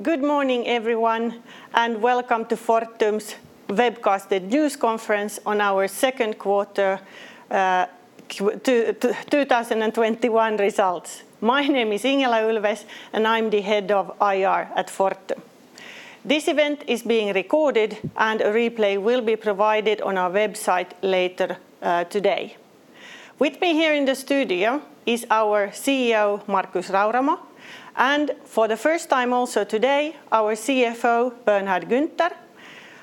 Good morning, everyone, and welcome to Fortum's webcasted news conference on our second quarter 2021 results. My name is Ingela Ulfves, and I'm the head of IR at Fortum. This event is being recorded and a replay will be provided on our website later today. With me here in the studio is our CEO, Markus Rauramo, and for the first time also today, our CFO, Bernhard Günther,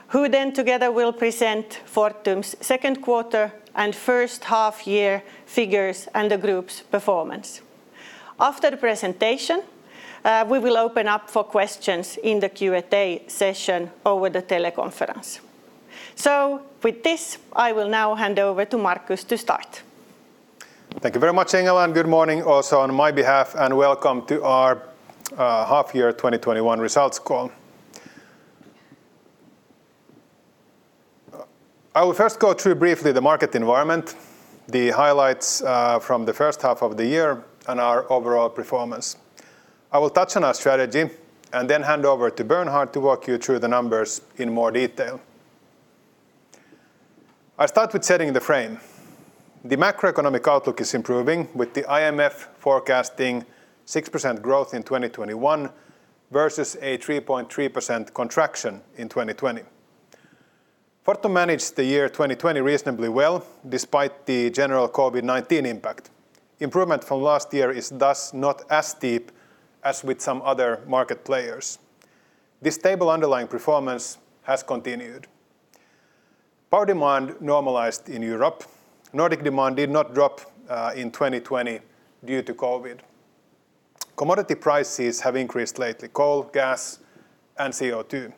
who then together will present Fortum's second quarter and first half year figures and the group's performance. After the presentation, we will open up for questions in the Q&A session over the teleconference. With this, I will now hand over to Markus to start. Thank you very much, Ingela, and good morning also on my behalf, and welcome to our half year 2021 results call. I will first go through briefly the market environment, the highlights from the first half of the year, and our overall performance. I will touch on our strategy and then hand over to Bernhard to walk you through the numbers in more detail. I start with setting the frame. The macroeconomic outlook is improving with the IMF forecasting 6% growth in 2021 versus a 3.3% contraction in 2020. Fortum managed the year 2020 reasonably well despite the general COVID-19 impact. Improvement from last year is thus not as steep as with some other market players. This stable underlying performance has continued. Power demand normalized in Europe. Nordic demand did not drop in 2020 due to COVID. Commodity prices have increased lately, coal, gas, and CO2.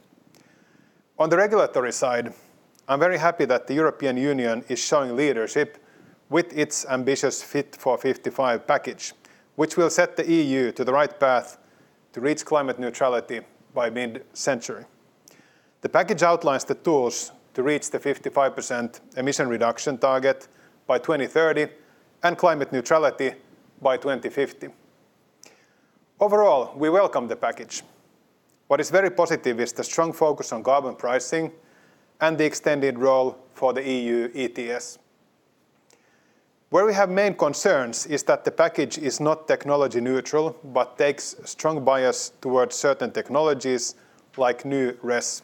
On the regulatory side, I'm very happy that the European Union is showing leadership with its ambitious Fit for 55 package, which will set the EU to the right path to reach climate neutrality by mid-century. The package outlines the tools to reach the 55% emission reduction target by 2030 and climate neutrality by 2050. Overall, we welcome the package. What is very positive is the strong focus on carbon pricing and the extended role for the EU ETS. Where we have main concerns is that the package is not technology neutral, but takes strong bias towards certain technologies like new RES.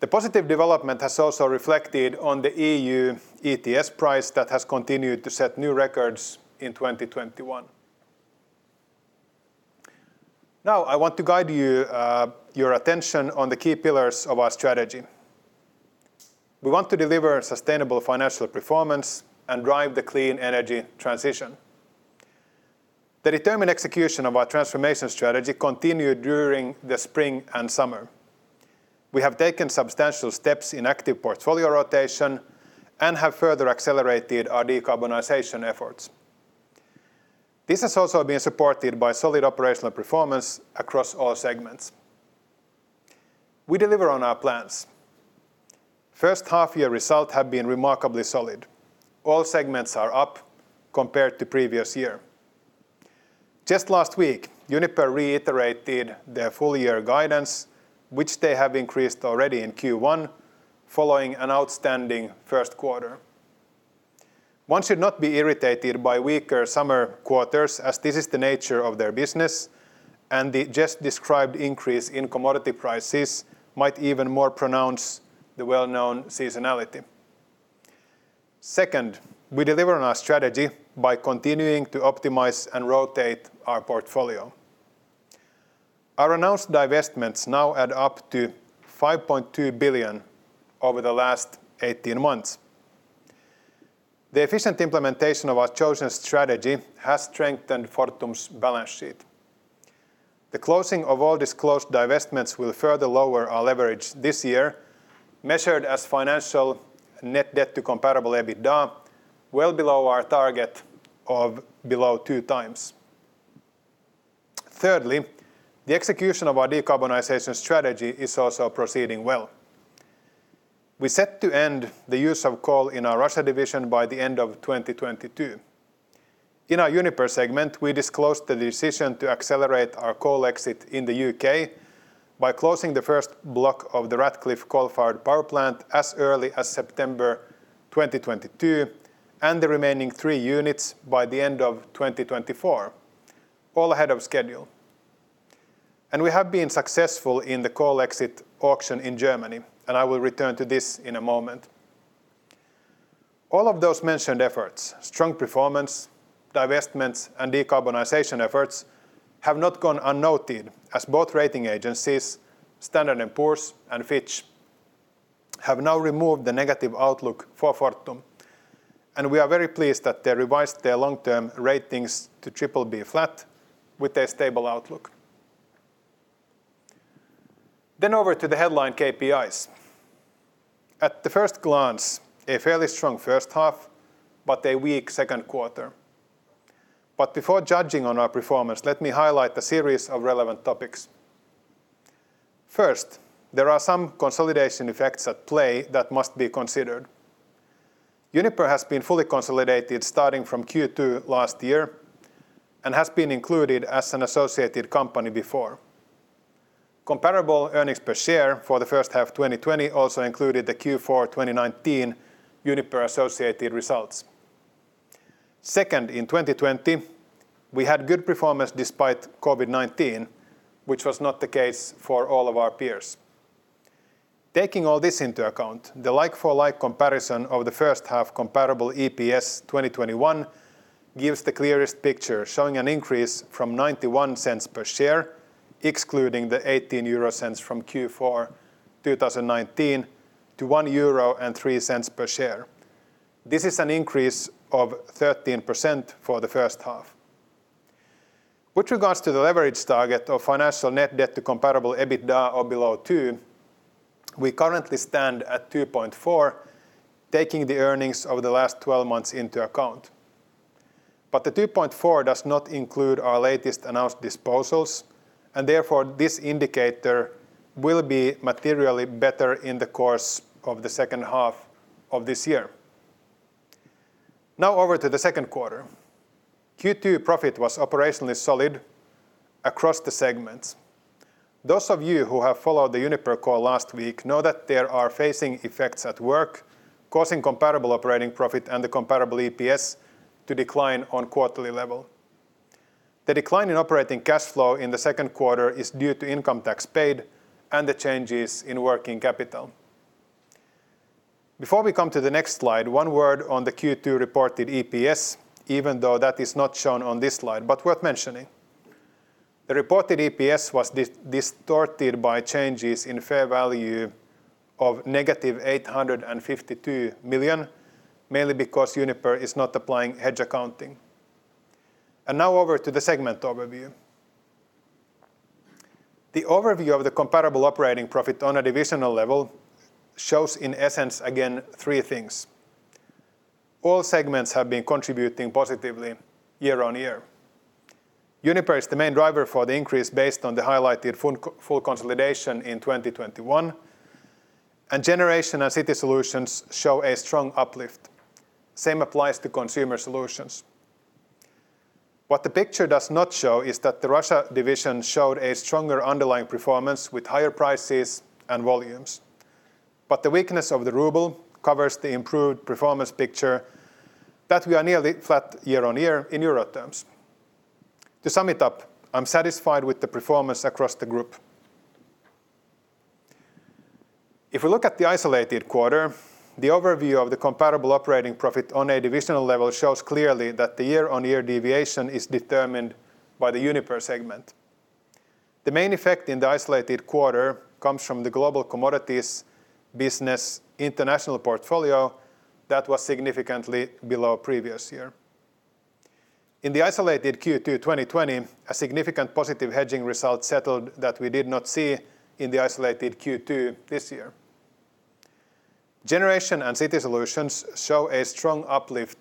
The positive development has also reflected on the EU ETS price that has continued to set new records in 2021. Now, I want to guide your attention on the key pillars of our strategy. We want to deliver sustainable financial performance and drive the clean energy transition. The determined execution of our transformation strategy continued during the spring and summer. We have taken substantial steps in active portfolio rotation and have further accelerated our decarbonization efforts. This has also been supported by solid operational performance across all segments. We deliver on our plans. First half-year results have been remarkably solid. All segments are up compared to previous year. Just last week, Uniper reiterated their full year guidance, which they have increased already in Q1 following an outstanding first quarter. One should not be irritated by weaker summer quarters as this is the nature of their business, and the just described increase in commodity prices might even more pronounce the well-known seasonality. Second, we deliver on our strategy by continuing to optimize and rotate our portfolio. Our announced divestments now add up to 5.2 billion over the last 18 months. The efficient implementation of our chosen strategy has strengthened Fortum's balance sheet. The closing of all disclosed divestments will further lower our leverage this year, measured as financial net debt to comparable EBITDA, well below our target of below 2x. Thirdly, the execution of our decarbonization strategy is also proceeding well. We set to end the use of coal in our Russia division by the end of 2022. In our Uniper segment, we disclosed the decision to accelerate our coal exit in the U.K. by closing the first block of the Ratcliffe coal-fired power plant as early as September 2022 and the remaining three units by the end of 2024, all ahead of schedule. We have been successful in the coal exit auction in Germany, and I will return to this in a moment. All of those mentioned efforts, strong performance, divestments, and decarbonization efforts have not gone unnoted as both rating agencies, Standard & Poor's and Fitch, have now removed the negative outlook for Fortum. We are very pleased that they revised their long-term ratings to BBB flat with a stable outlook. Over to the headline KPIs. At the first glance, a fairly strong first half but a weak second quarter. Before judging on our performance, let me highlight a series of relevant topics. First, there are some consolidation effects at play that must be considered. Uniper has been fully consolidated starting from Q2 last year and has been included as an associated company before. Comparable earnings per share for the first half 2020 also included the Q4 2019 Uniper associated results. Second, in 2020, we had good performance despite COVID-19, which was not the case for all of our peers. Taking all this into account, the like-for-like comparison of the first half comparable EPS 2021 gives the clearest picture, showing an increase from 0.91 per share, excluding the 0.18 from Q4 2019, to 1.03 euro per share. This is an increase of 13% for the first half. With regards to the leverage target of financial net debt to comparable EBITDA of below two, we currently stand at 2.4, taking the earnings over the last 12 months into account. The 2.4 does not include our latest announced disposals, and therefore, this indicator will be materially better in the course of the second half of this year. Now over to the second quarter. Q2 profit was operationally solid across the segments. Those of you who have followed the Uniper call last week know that there are phasing effects at work causing comparable operating profit and the comparable EPS to decline on quarterly level. The decline in operating cash flow in the second quarter is due to income tax paid and the changes in working capital. Before we come to the next slide, one word on the Q2 reported EPS, even though that is not shown on this slide, but worth mentioning. The reported EPS was distorted by changes in fair value of -852 million, mainly because Uniper is not applying hedge accounting. Now over to the segment overview. The overview of the comparable operating profit on a divisional level shows, in essence, again, three things. All segments have been contributing positively year-on-year. Uniper is the main driver for the increase based on the highlighted full consolidation in 2021. Generation and City Solutions show a strong uplift. Same applies to Consumer Solutions. What the picture does not show is that the Russia division showed a stronger underlying performance with higher prices and volumes. The weakness of the ruble covers the improved performance picture that we are nearly flat year-on-year in EUR terms. To sum it up, I'm satisfied with the performance across the group. If we look at the isolated quarter, the overview of the comparable operating profit on a divisional level shows clearly that the year-on-year deviation is determined by the Uniper segment. The main effect in the isolated quarter comes from the global commodities business international portfolio that was significantly below previous year. In the isolated Q2 2020, a significant positive hedging result settled that we did not see in the isolated Q2 this year. Generation and City Solutions show a strong uplift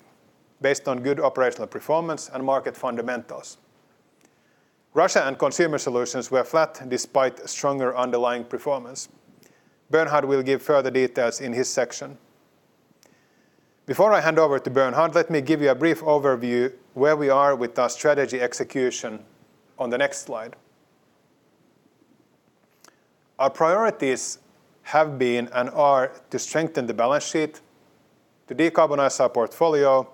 based on good operational performance and market fundamentals. Russia and Consumer Solutions were flat despite stronger underlying performance. Bernhard will give further details in his section. Before I hand over to Bernhard, let me give you a brief overview where we are with our strategy execution on the next slide. Our priorities have been and are to strengthen the balance sheet, to decarbonize our portfolio,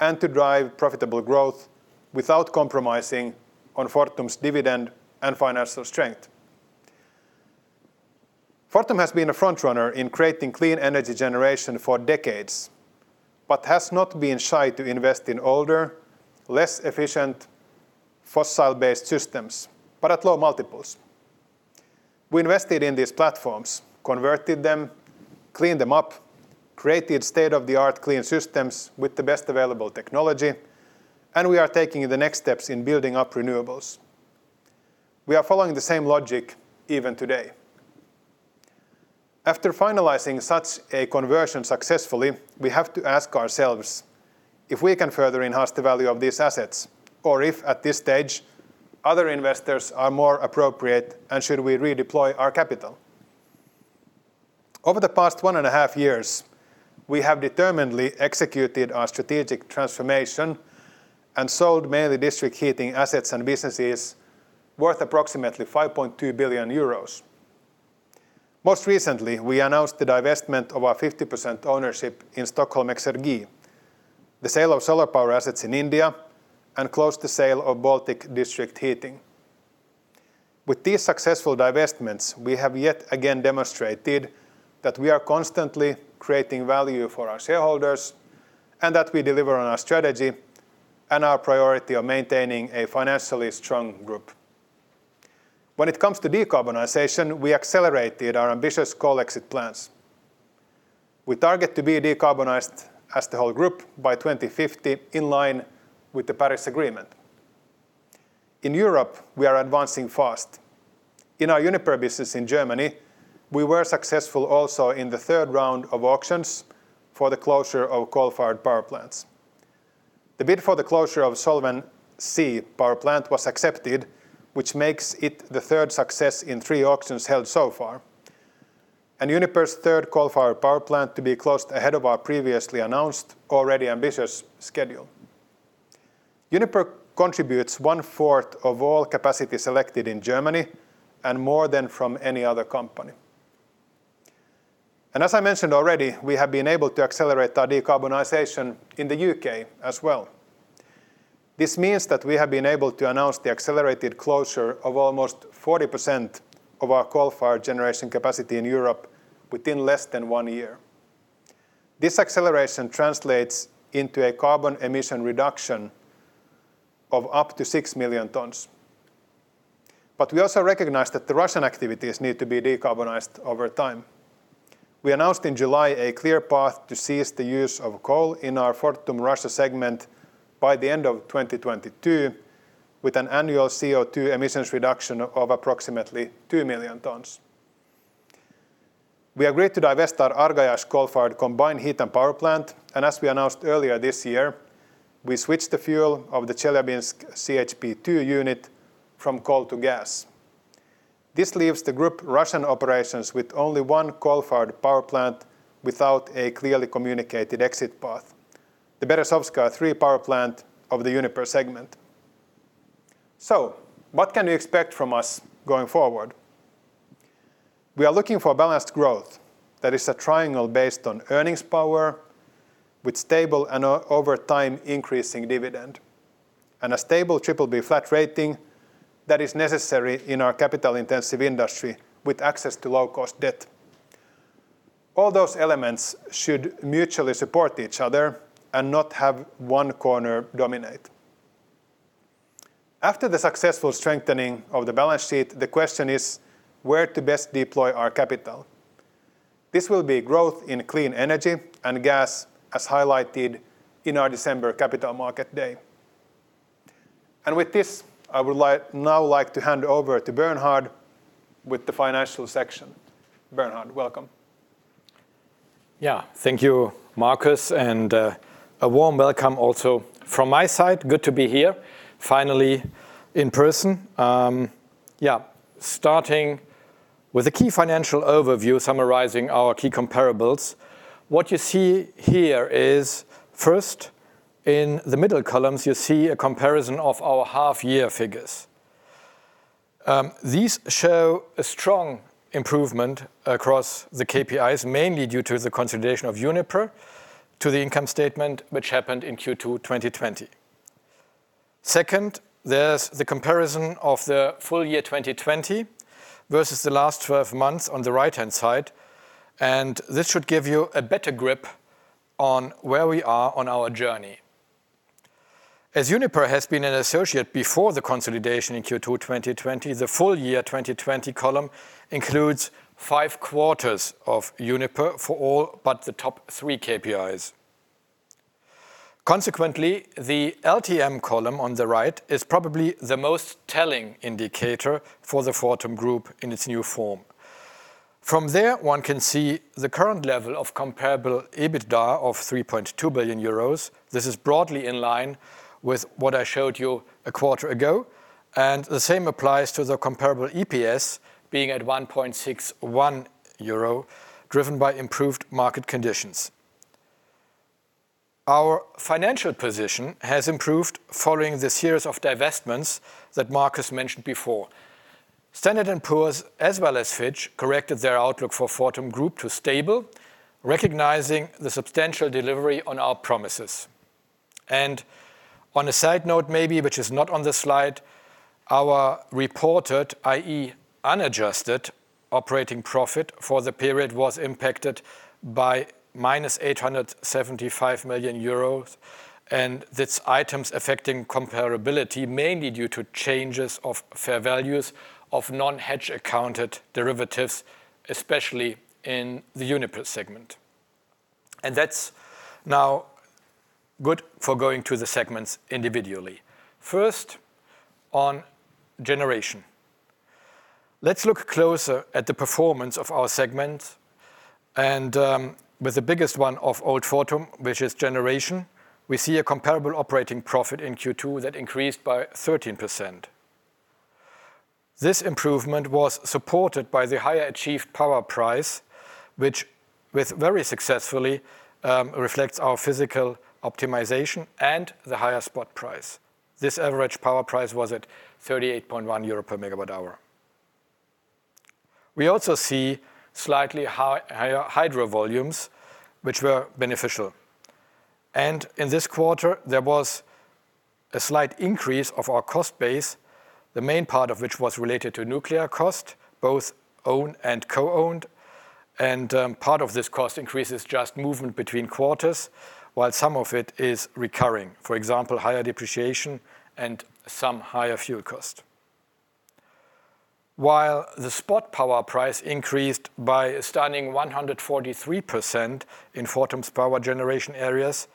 and to drive profitable growth without compromising on Fortum's dividend and financial strength. Fortum has been a frontrunner in creating clean energy generation for decades, but has not been shy to invest in older, less efficient fossil-based systems, but at low multiples. We invested in these platforms, converted them, cleaned them up, created state-of-the-art clean systems with the best available technology, and we are taking the next steps in building up renewables. We are following the same logic even today. After finalizing such a conversion successfully, we have to ask ourselves if we can further enhance the value of these assets, or if at this stage, other investors are more appropriate and should we redeploy our capital. Over the past one and a half years, we have determinedly executed our strategic transformation and sold mainly district heating assets and businesses worth approximately 2 billion euros. Most recently, we announced the divestment of our 50% ownership in Stockholm Exergi, the sale of solar power assets in India, and closed the sale of Baltic District Heating. With these successful divestments, we have yet again demonstrated that we are constantly creating value for our shareholders and that we deliver on our strategy and our priority of maintaining a financially strong group. When it comes to decarbonization, we accelerated our ambitious coal exit plans. We target to be decarbonized as the whole group by 2050 in line with the Paris Agreement. In Europe, we are advancing fast. In our Uniper business in Germany, we were successful also in the third round of auctions for the closure of coal-fired power plants. The bid for the closure of Scholven C power plant was accepted, which makes it the third success in three auctions held so far, and Uniper's third coal-fired power plant to be closed ahead of our previously announced already ambitious schedule. Uniper contributes one fourth of all capacity selected in Germany and more than from any other company. As I mentioned already, we have been able to accelerate our decarbonization in the U.K. as well. This means that we have been able to announce the accelerated closure of almost 40% of our coal-fired generation capacity in Europe within less than one year. This acceleration translates into a carbon emission reduction of up to 6 million tons. We also recognize that the Russian activities need to be decarbonized over time. We announced in July a clear path to cease the use of coal in our Fortum Russia segment by the end of 2022 with an annual CO2 emissions reduction of approximately 2 million tons. We agreed to divest our Argayash coal-fired combined heat and power plant, and as we announced earlier this year, we switched the fuel of the Chelyabinsk CHP II unit from coal to gas. This leaves the group Russian operations with only one coal-fired power plant without a clearly communicated exit path. The Berezovskaya three power plant of the Uniper segment. What can you expect from us going forward? We are looking for balanced growth. That is a triangle based on earnings power with stable and over time increasing dividend. A stable BBB flat rating that is necessary in our capital-intensive industry with access to low-cost debt. All those elements should mutually support each other and not have one corner dominate. After the successful strengthening of the balance sheet, the question is where to best deploy our capital? This will be growth in clean energy and gas as highlighted in our December capital market day. With this, I would now like to hand over to Bernhard with the financial section. Bernhard, welcome. Yeah, thank you, Markus, and a warm welcome also from my side. Good to be here finally in person. Starting with a key financial overview summarizing our key comparables. What you see here is first, in the middle columns, you see a comparison of our half-year figures. These show a strong improvement across the KPIs, mainly due to the consolidation of Uniper to the income statement, which happened in Q2 2020. Second, there's the comparison of the full year 2020 versus the last 12 months on the right-hand side. This should give you a better grip on where we are on our journey. As Uniper has been an associate before the consolidation in Q2 2020, the full year 2020 column includes five quarters of Uniper for all but the top three KPIs. Consequently, the LTM column on the right is probably the most telling indicator for the Fortum Group in its new form. From there, one can see the current level of comparable EBITDA of 3.2 billion euros. This is broadly in line with what I showed you a quarter ago. The same applies to the comparable EPS being at 1.61 euro, driven by improved market conditions. Our financial position has improved following the series of divestments that Markus mentioned before. Standard & Poor's, as well as Fitch, corrected their outlook for Fortum Group to stable, recognizing the substantial delivery on our promises. On a side note, maybe, which is not on the slide, our reported, i.e., unadjusted operating profit for the period was impacted by -875 million euros. Its items affecting comparability, mainly due to changes of fair values of non-hedge accounted derivatives, especially in the Uniper segment. That's now good for going to the segments individually. First, on generation. Let's look closer at the performance of our segment and with the biggest one of old Fortum, which is generation, we see a comparable operating profit in Q2 that increased by 13%. This improvement was supported by the higher achieved power price, which very successfully reflects our physical optimization and the higher spot price. This average power price was at 38.1 euro per megawatt-hour. We also see slightly higher hydro volumes, which were beneficial. In this quarter, there was a slight increase of our cost base, the main part of which was related to nuclear cost, both owned and co-owned. Part of this cost increase is just movement between quarters, while some of it is recurring. For example, higher depreciation and some higher fuel cost. While the spot power price increased by a stunning 143% in Fortum's power generation areas,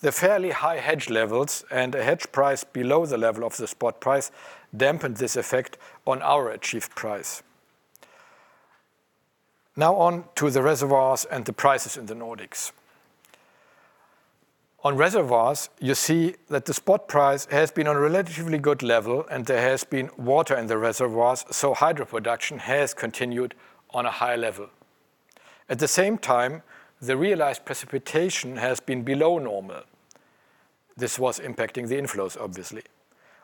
the fairly high hedge levels and a hedge price below the level of the spot price dampened this effect on our achieved price. Now on to the reservoirs and the prices in the Nordics. On reservoirs, you see that the spot price has been on a relatively good level, and there has been water in the reservoirs, so hydro production has continued on a high level. At the same time, the realized precipitation has been below normal. This was impacting the inflows, obviously.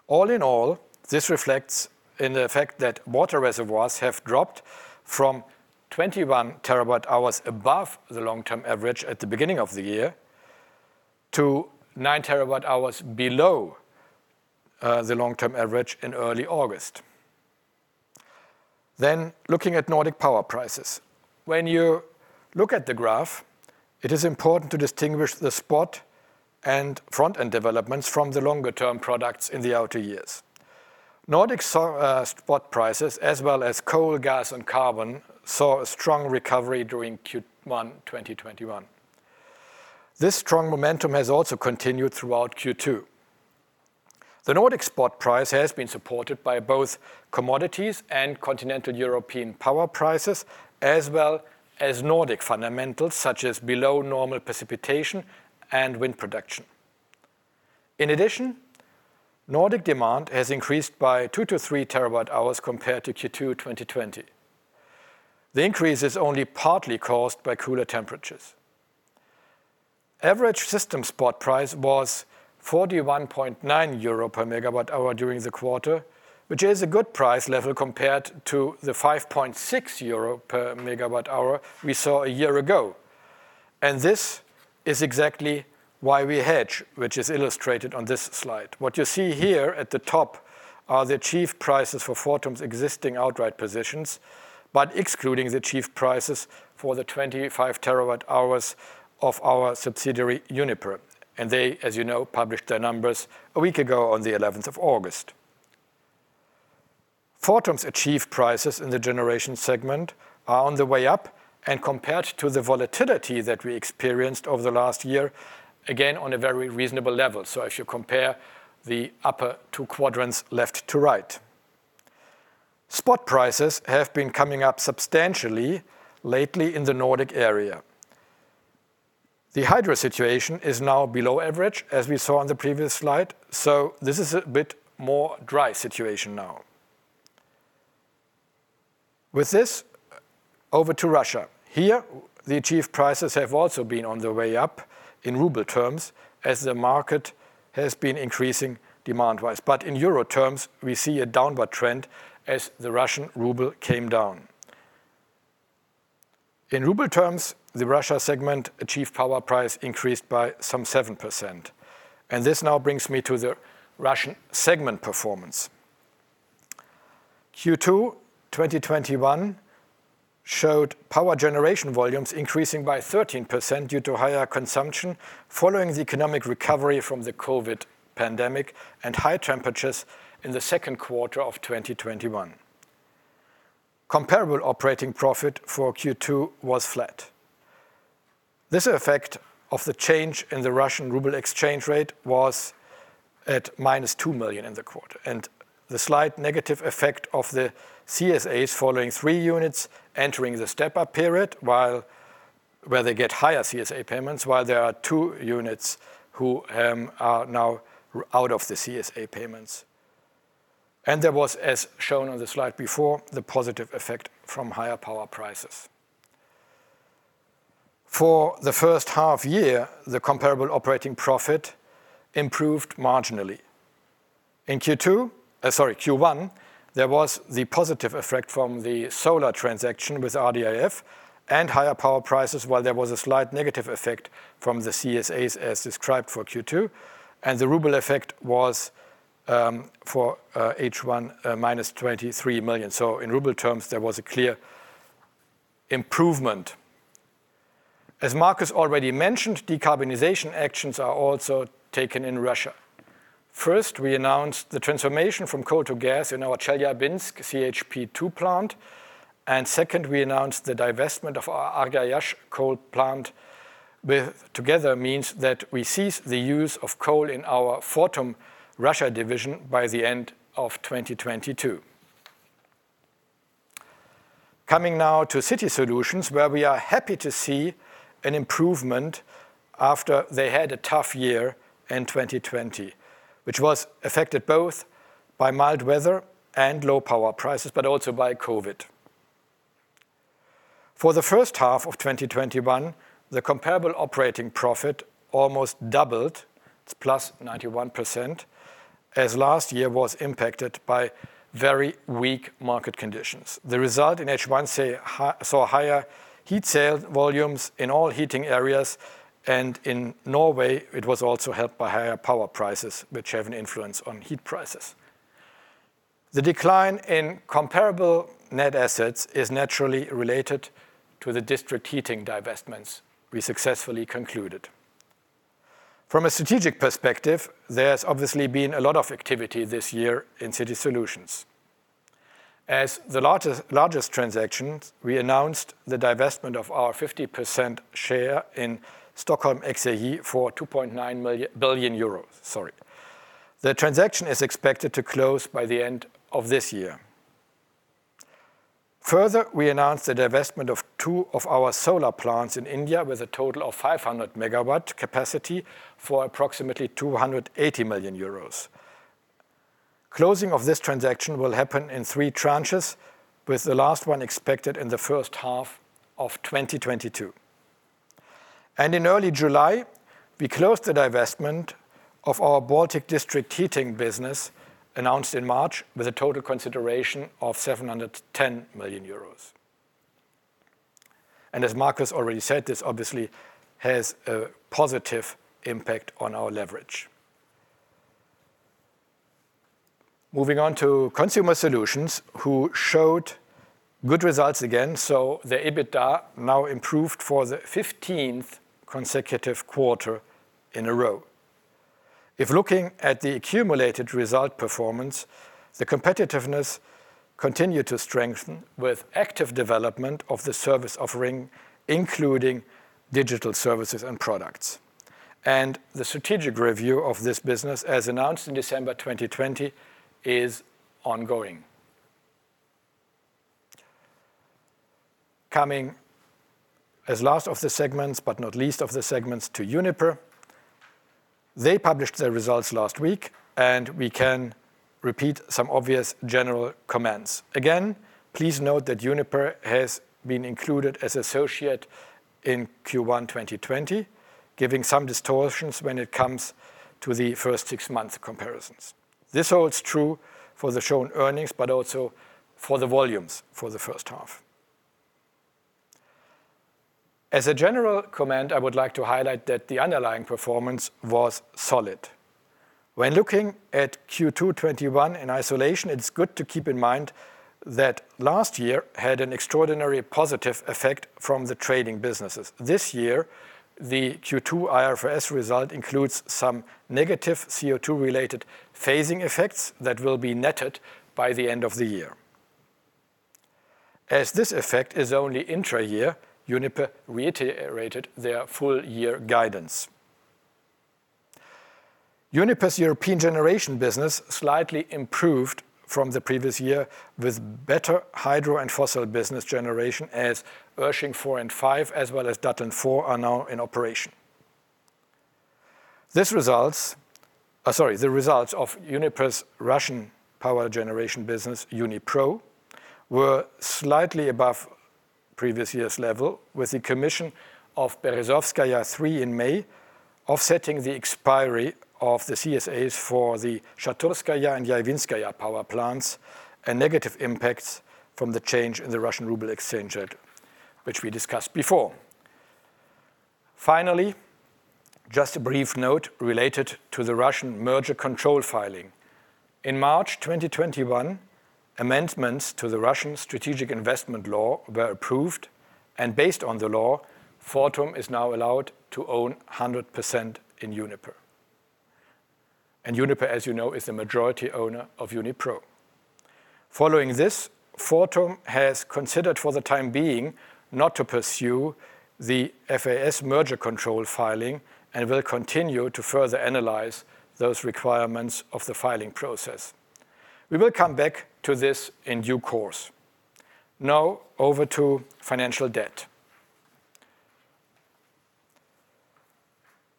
All in all, this reflects in the fact that water reservoirs have dropped from 21 TWh above the long-term average at the beginning of the year to 9 TWh below the long-term average in early August. Looking at Nordic power prices. When you look at the graph, it is important to distinguish the spot and front-end developments from the longer-term products in the outer years. Nordic spot prices, as well as coal, gas, and carbon, saw a strong recovery during Q1 2021. This strong momentum has also continued throughout Q2. The Nordic spot price has been supported by both commodities and continental European power prices, as well as Nordic fundamentals, such as below normal precipitation and wind production. Nordic demand has increased by 2TWh-3TWh compared to Q2 2020. The increase is only partly caused by cooler temperatures. Average system spot price was 41.9 euro per megawatt-hour during the quarter, which is a good price level compared to the 5.6 euro per megawatt-hour we saw a year ago. This is exactly why we hedge, which is illustrated on this slide. What you see here at the top are the achieved prices for Fortum's existing outright positions, excluding the achieved prices for the 25 TWh of our subsidiary, Uniper. They, as you know, published their numbers a week ago on the 11th of August. Fortum's achieved prices in the generation segment are on the way up compared to the volatility that we experienced over the last year, again, on a very reasonable level. If you compare the upper two quadrants left to right. Spot prices have been coming up substantially lately in the Nordic area. The hydro situation is now below average, as we saw on the previous slide, this is a bit more dry situation now. With this, over to Russia. Here, the achieved prices have also been on the way up in ruble terms as the market has been increasing demand-wise. In EUR terms, we see a downward trend as the Russian RUB came down. In RUB terms, the Russia segment achieved power price increased by some 7%. This now brings me to the Russian segment performance. Q2 2021 showed power generation volumes increasing by 13% due to higher consumption following the economic recovery from the COVID-19 pandemic and higher temperatures in the second quarter of 2021. Comparable operating profit for Q2 was flat. This effect of the change in the Russian RUB exchange rate was at minus 2 million in the quarter, and the slight negative effect of the CSAs following three units entering the step-up period, where they get higher CSA payments, while there are two units who are now out of the CSA payments. There was, as shown on the slide before, the positive effect from higher power prices. For the first half year, the comparable operating profit improved marginally. In Q1, there was the positive effect from the solar transaction with RDIF and higher power prices while there was a slight negative effect from the CSAs as described for Q2. The RUB effect was, for H1, -23 million. In RUB terms, there was a clear improvement. As Markus already mentioned, decarbonization actions are also taken in Russia. First, we announced the transformation from coal to gas in our Chelyabinsk CHP two plant. Second, we announced the divestment of our Argayash coal plant, together means that we cease the use of coal in our Fortum Russia division by the end of 2022. Coming now to City Solutions, where we are happy to see an improvement after they had a tough year in 2020, which was affected both by mild weather and low power prices, but also by COVID. For the first half of 2021, the comparable operating profit almost doubled. It's +91%, as last year was impacted by very weak market conditions. The result in H1 saw higher heat sale volumes in all heating areas, and in Norway, it was also helped by higher power prices, which have an influence on heat prices. The decline in comparable net assets is naturally related to the district heating divestments we successfully concluded. From a strategic perspective, there's obviously been a lot of activity this year in City Solutions. As the largest transactions, we announced the divestment of our 50% share in Stockholm Exergi for 2.9 million billion euros, sorry. The transaction is expected to close by the end of this year. Further, we announced the divestment of two of our solar plants in India with a total of 500 MW capacity for approximately 280 million euros. Closing of this transaction will happen in three tranches, with the last one expected in the first half of 2022. In early July, we closed the divestment of our Baltic district heating business, announced in March, with a total consideration of 710 million euros. As Markus already said, this obviously has a positive impact on our leverage. Moving on to Consumer Solutions, who showed good results again. The EBITDA now improved for the 15th consecutive quarter in a row. If looking at the accumulated result performance, the competitiveness continued to strengthen with active development of the service offering, including digital services and products. The strategic review of this business, as announced in December 2020, is ongoing. Coming as last of the segments, but not least of the segments, to Uniper. They published their results last week, and we can repeat some obvious general comments. Again, please note that Uniper has been included as associate in Q1 2020, giving some distortions when it comes to the first six-month comparisons. This holds true for the shown earnings, but also for the volumes for the first half. As a general comment, I would like to highlight that the underlying performance was solid. When looking at Q2 2021 in isolation, it's good to keep in mind that last year had an extraordinary positive effect from the trading businesses. This year, the Q2 IFRS result includes some negative CO2-related phasing effects that will be netted by the end of the year. As this effect is only intra-year, Uniper reiterated their full year guidance. Uniper's European generation business slightly improved from the previous year, with better hydro and fossil business generation as Irsching four and five, as well as Datteln 4 are now in operation. The results of Uniper's Russian Power Generation business, Unipro, were slightly above previous year's level, with the commission of Berezovskaya 3 in May offsetting the expiry of the CSAs for the Shaturskaya and Yaivinskaya power plants, and negative impacts from the change in the Russian ruble exchange rate, which we discussed before. Finally, just a brief note related to the Russian merger control filing. In March 2021, amendments to the Russian Strategic Investment Law were approved, based on the law, Fortum is now allowed to own 100% in Uniper. Uniper, as you know, is the majority owner of Unipro. Following this, Fortum has considered for the time being not to pursue the FAS merger control filing and will continue to further analyze those requirements of the filing process. We will come back to this in due course. Now over to financial debt.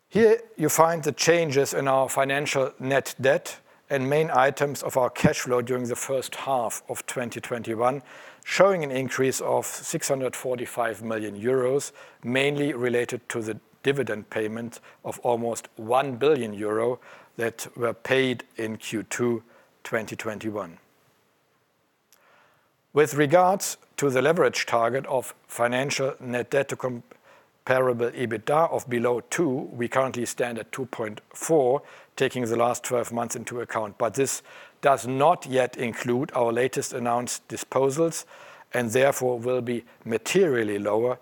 Here you find the changes in our financial net debt and main items of our cash flow during the first half of 2021, showing an increase of 645 million euros, mainly related to the dividend payment of almost 1 billion euro that were paid in Q2 2021. With regards to the leverage target of financial net debt to comparable EBITDA of below two, we currently stand at 2.4, taking the last 12 months into account. This does not yet include our latest announced disposals and therefore will be materially lower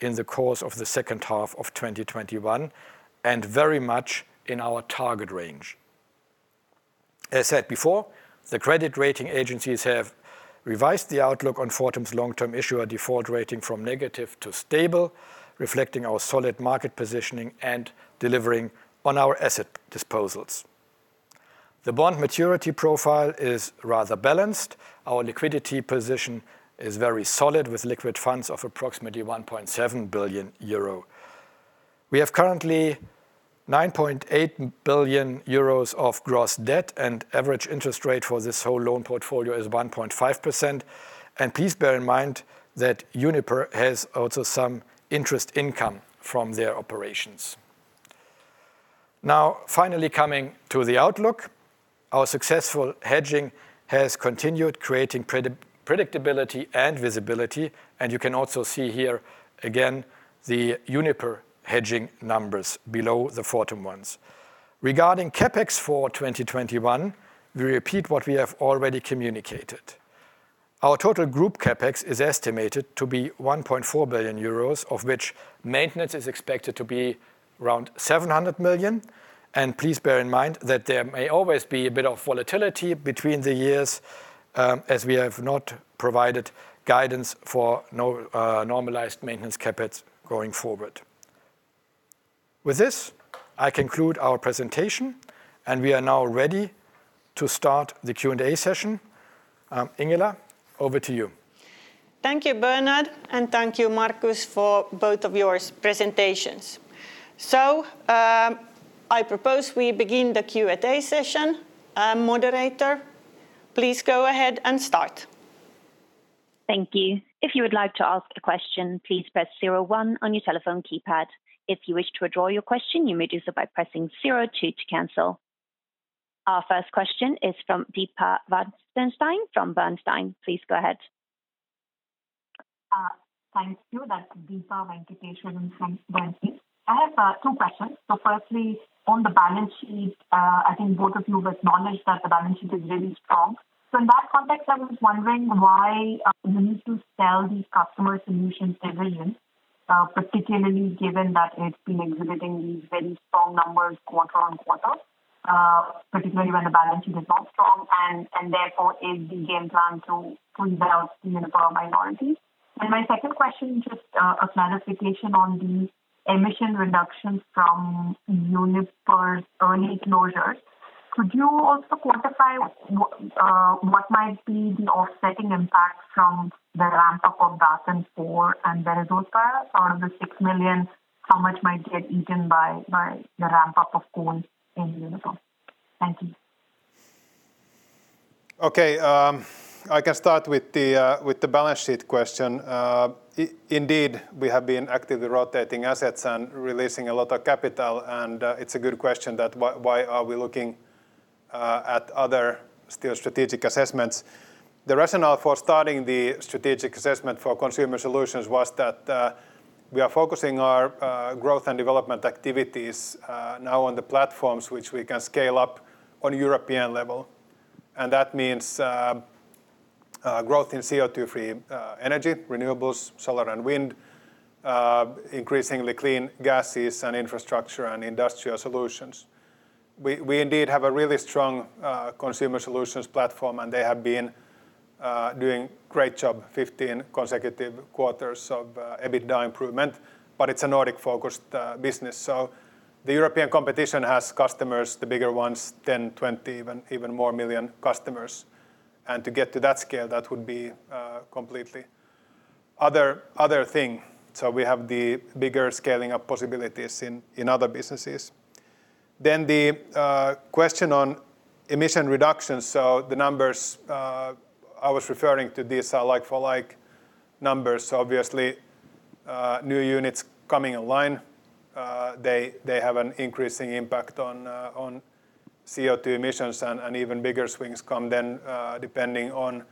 in the course of the second half of 2021 and very much in our target range. As said before, the credit rating agencies have revised the outlook on Fortum's long-term issuer default rating from negative to stable, reflecting our solid market positioning and delivering on our asset disposals. The bond maturity profile is rather balanced. Our liquidity position is very solid, with liquid funds of approximately 1.7 billion euro. We have currently 9.8 billion euros of gross debt, and average interest rate for this whole loan portfolio is 1.5%. Please bear in mind that Uniper has also some interest income from their operations. Finally coming to the outlook. Our successful hedging has continued creating predictability and visibility. You can also see here again the Uniper hedging numbers below the Fortum ones. Regarding CapEx for 2021, we repeat what we have already communicated. Our total group CapEx is estimated to be 1.4 billion euros, of which maintenance is expected to be around 700 million. Please bear in mind that there may always be a bit of volatility between the years, as we have not provided guidance for normalized maintenance CapEx going forward. With this, I conclude our presentation, and we are now ready to start the Q&A session. Ingela, over to you. Thank you, Bernhard, and thank you, Markus, for both of your presentations. I propose we begin the Q&A session. Moderator, please go ahead and start. Thank you. If you'd like to ask a question please press zero one on your telephone keypad. If you wish to withdraw your question, you may do so by pressing zero two to cancel. Our first question is from Deepa Venkateswaran from Bernstein. Please go ahead. Thank you. That's Deepa Venkateswaran from Bernstein. Firstly, on the balance sheet, I think both of you acknowledged that the balance sheet is really strong. In that context, I was wondering why you need to sell the Customer Solutions division, particularly given that it's been exhibiting these very strong numbers quarter on quarter, particularly when the balance sheet is not strong, and therefore is the game plan to pull out Uniper minorities. My second question, just a clarification on the emission reductions from Uniper's early closures. Could you also quantify what might be the offsetting impact from the ramp-up of Datteln 4 and Berezovskaya? Out of the 6 million, how much might get eaten by the ramp-up of coal in Uniper? Thank you. Okay. I can start with the balance sheet question. Indeed, we have been actively rotating assets and releasing a lot of capital. It's a good question that why are we looking at other strategic assessments. The rationale for starting the strategic assessment for Consumer Solutions was that we are focusing our growth and development activities now on the platforms which we can scale up on a European level. That means growth in CO2-free energy, renewables, solar and wind, increasingly clean gases and infrastructure and industrial solutions. We indeed have a really strong Consumer Solutions platform, and they have been doing a great job, 15 consecutive quarters of EBITDA improvement. It's a Nordic-focused business. The European competition has customers, the bigger ones, 10, 20, even more million customers. To get to that scale, that would be a completely other thing. We have the bigger scaling up possibilities in other businesses. The question on emission reductions. The numbers I was referring to, these are like-for-like numbers. Obviously, new units coming online, they have an increasing impact on CO2 emissions and even bigger swings come then depending on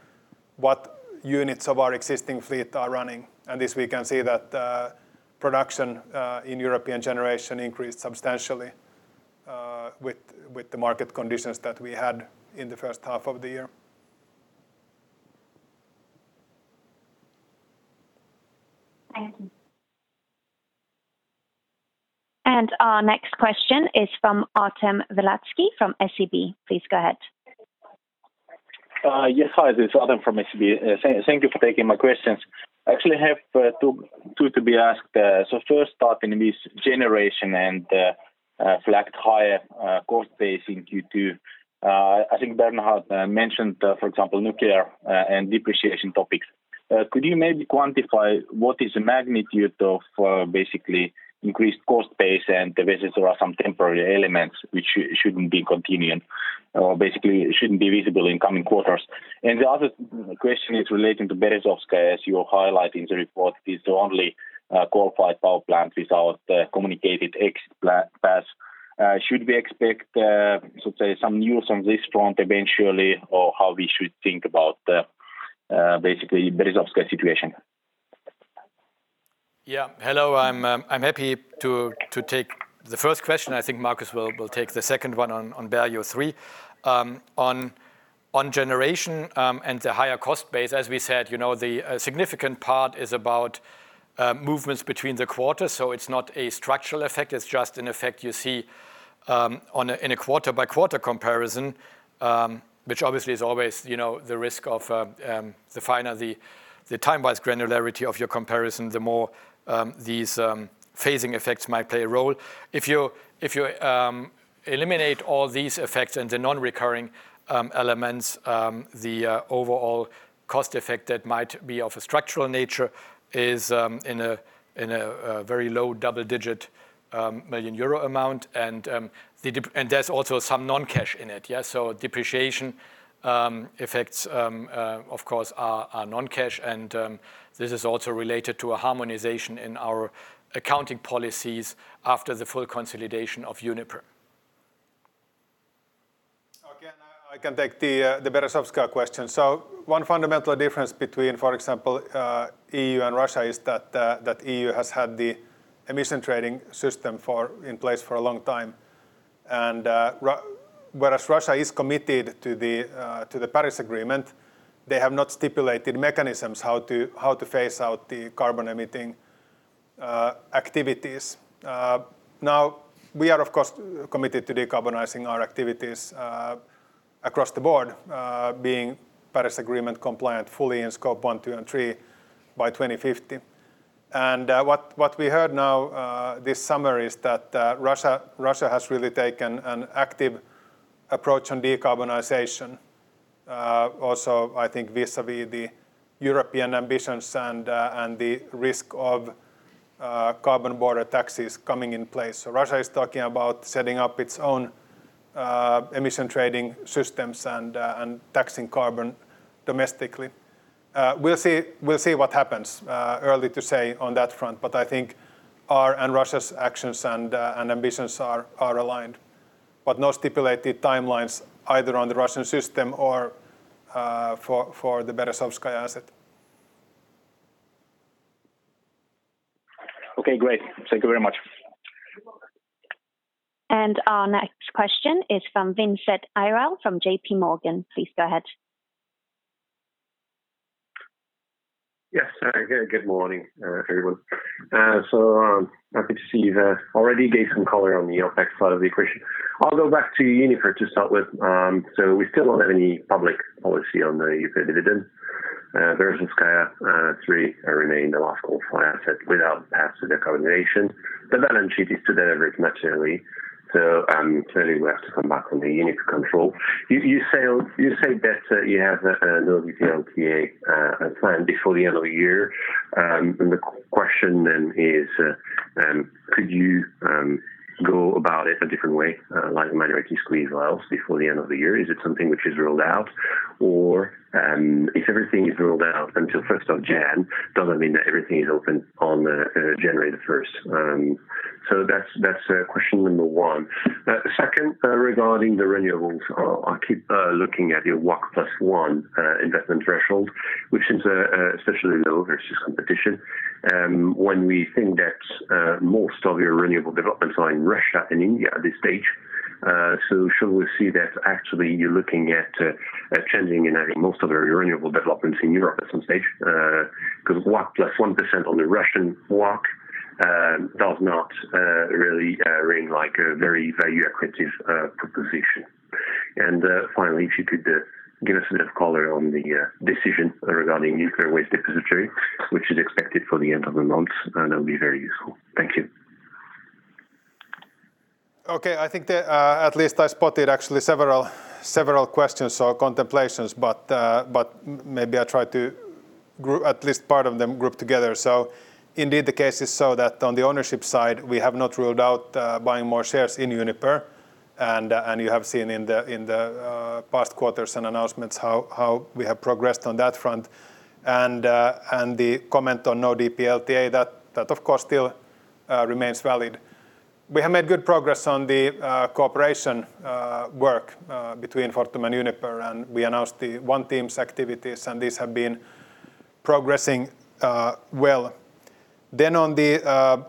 what units of our existing fleet are running. This, we can see that production in European generation increased substantially with the market conditions that we had in the first half of the year. Thank you. Our next question is from Artem Beletski from SEB. Please go ahead. Yes. Hi, this is Artem from SEB. Thank you for taking my questions. I actually have two to be asked. First up in this generation and flagged higher cost base in Q2. I think Bernhard mentioned, for example, nuclear and depreciation topics. Could you maybe quantify what is the magnitude of basically increased cost base and the visits or some temporary elements which shouldn't be continuing or basically shouldn't be visible in coming quarters? The other question is relating to Berezovskaya, as you highlight in the report, is the only qualified power plant without a communicated exit path. Should we expect some news on this front eventually? How we should think about basically Berezovskaya situation? Yeah. Hello. I'm happy to take the first question. I think Markus will take the second one on value three. On generation and the higher cost base, as we said, the significant part is about movements between the quarters. It's not a structural effect, it's just an effect you see in a quarter-by-quarter comparison, which obviously is always the risk of the finer the time-wise granularity of your comparison, the more these phasing effects might play a role. If you eliminate all these effects and the non-recurring elements, the overall cost effect that might be of a structural nature is in a very low double-digit million EUR amount. There's also some non-cash in it. Depreciation effects, of course, are non-cash. This is also related to a harmonization in our accounting policies after the full consolidation of Uniper. Again, I can take the Berezovskaya question. One fundamental difference between, for example, EU and Russia is that EU has had the emission trading system in place for a long time. Whereas Russia is committed to the Paris Agreement, they have not stipulated mechanisms how to phase out the carbon-emitting activities. Now, we are, of course, committed to decarbonizing our activities across the board being Paris Agreement compliant fully in Scope one, two and three by 2050. What we heard now this summer is that Russia has really taken an active approach on decarbonization. Also, I think vis-à-vis the European ambitions and the risk of carbon border taxes coming in place. Russia is talking about setting up its own emission trading systems and taxing carbon domestically. We'll see what happens. Early to say on that front, but I think our and Russia's actions and ambitions are aligned, but no stipulated timelines either on the Russian system or for the Berezovskaya asset. Okay, great. Thank you very much. You're welcome. Our next question is from Vincent Ayral from JPMorgan. Please go ahead. Yes. Good morning, everyone. Happy to see you've already gave some color on the OpEx side of the equation. I'll go back to Uniper to start with. We still don't have any public policy on the dividend. Berezovskaya 3 remains the last coal-fired asset without a path to decarbonization. The balance sheet is delivered much early. Clearly we have to come back on the Uniper control. You say that you have no DPLTA plan before the end of the year. The question then is could you go about it a different way, like manually squeeze valves before the end of the year? Is it something which is ruled out? Or if everything is ruled out until 1st of January, doesn't mean that everything is open on January the 1st. That's question number one. Second, regarding the renewables, I keep looking at your WACC +1 investment threshold, which is especially low versus competition. When we think that most of your renewable developments are in Russia and India at this stage. Should we see that actually you're looking at changing and adding most of the renewable developments in Europe at some stage? Because WACC plus 1% on the Russian WACC does not really ring like a very value accretive proposition. Finally, if you could give us a bit of color on the decision regarding nuclear waste depository which is expected for the end of the month, that'll be very useful. Thank you. Okay. I think at least I spotted actually several questions or contemplations. Maybe I try to at least part of them group together. Indeed, the case is so that on the ownership side, we have not ruled out buying more shares in Uniper. You have seen in the past quarters and announcements how we have progressed on that front. The comment on no DPLTA, that of course still remains valid. We have made good progress on the cooperation work between Fortum and Uniper, and we announced the One Team activities and these have been progressing well. On the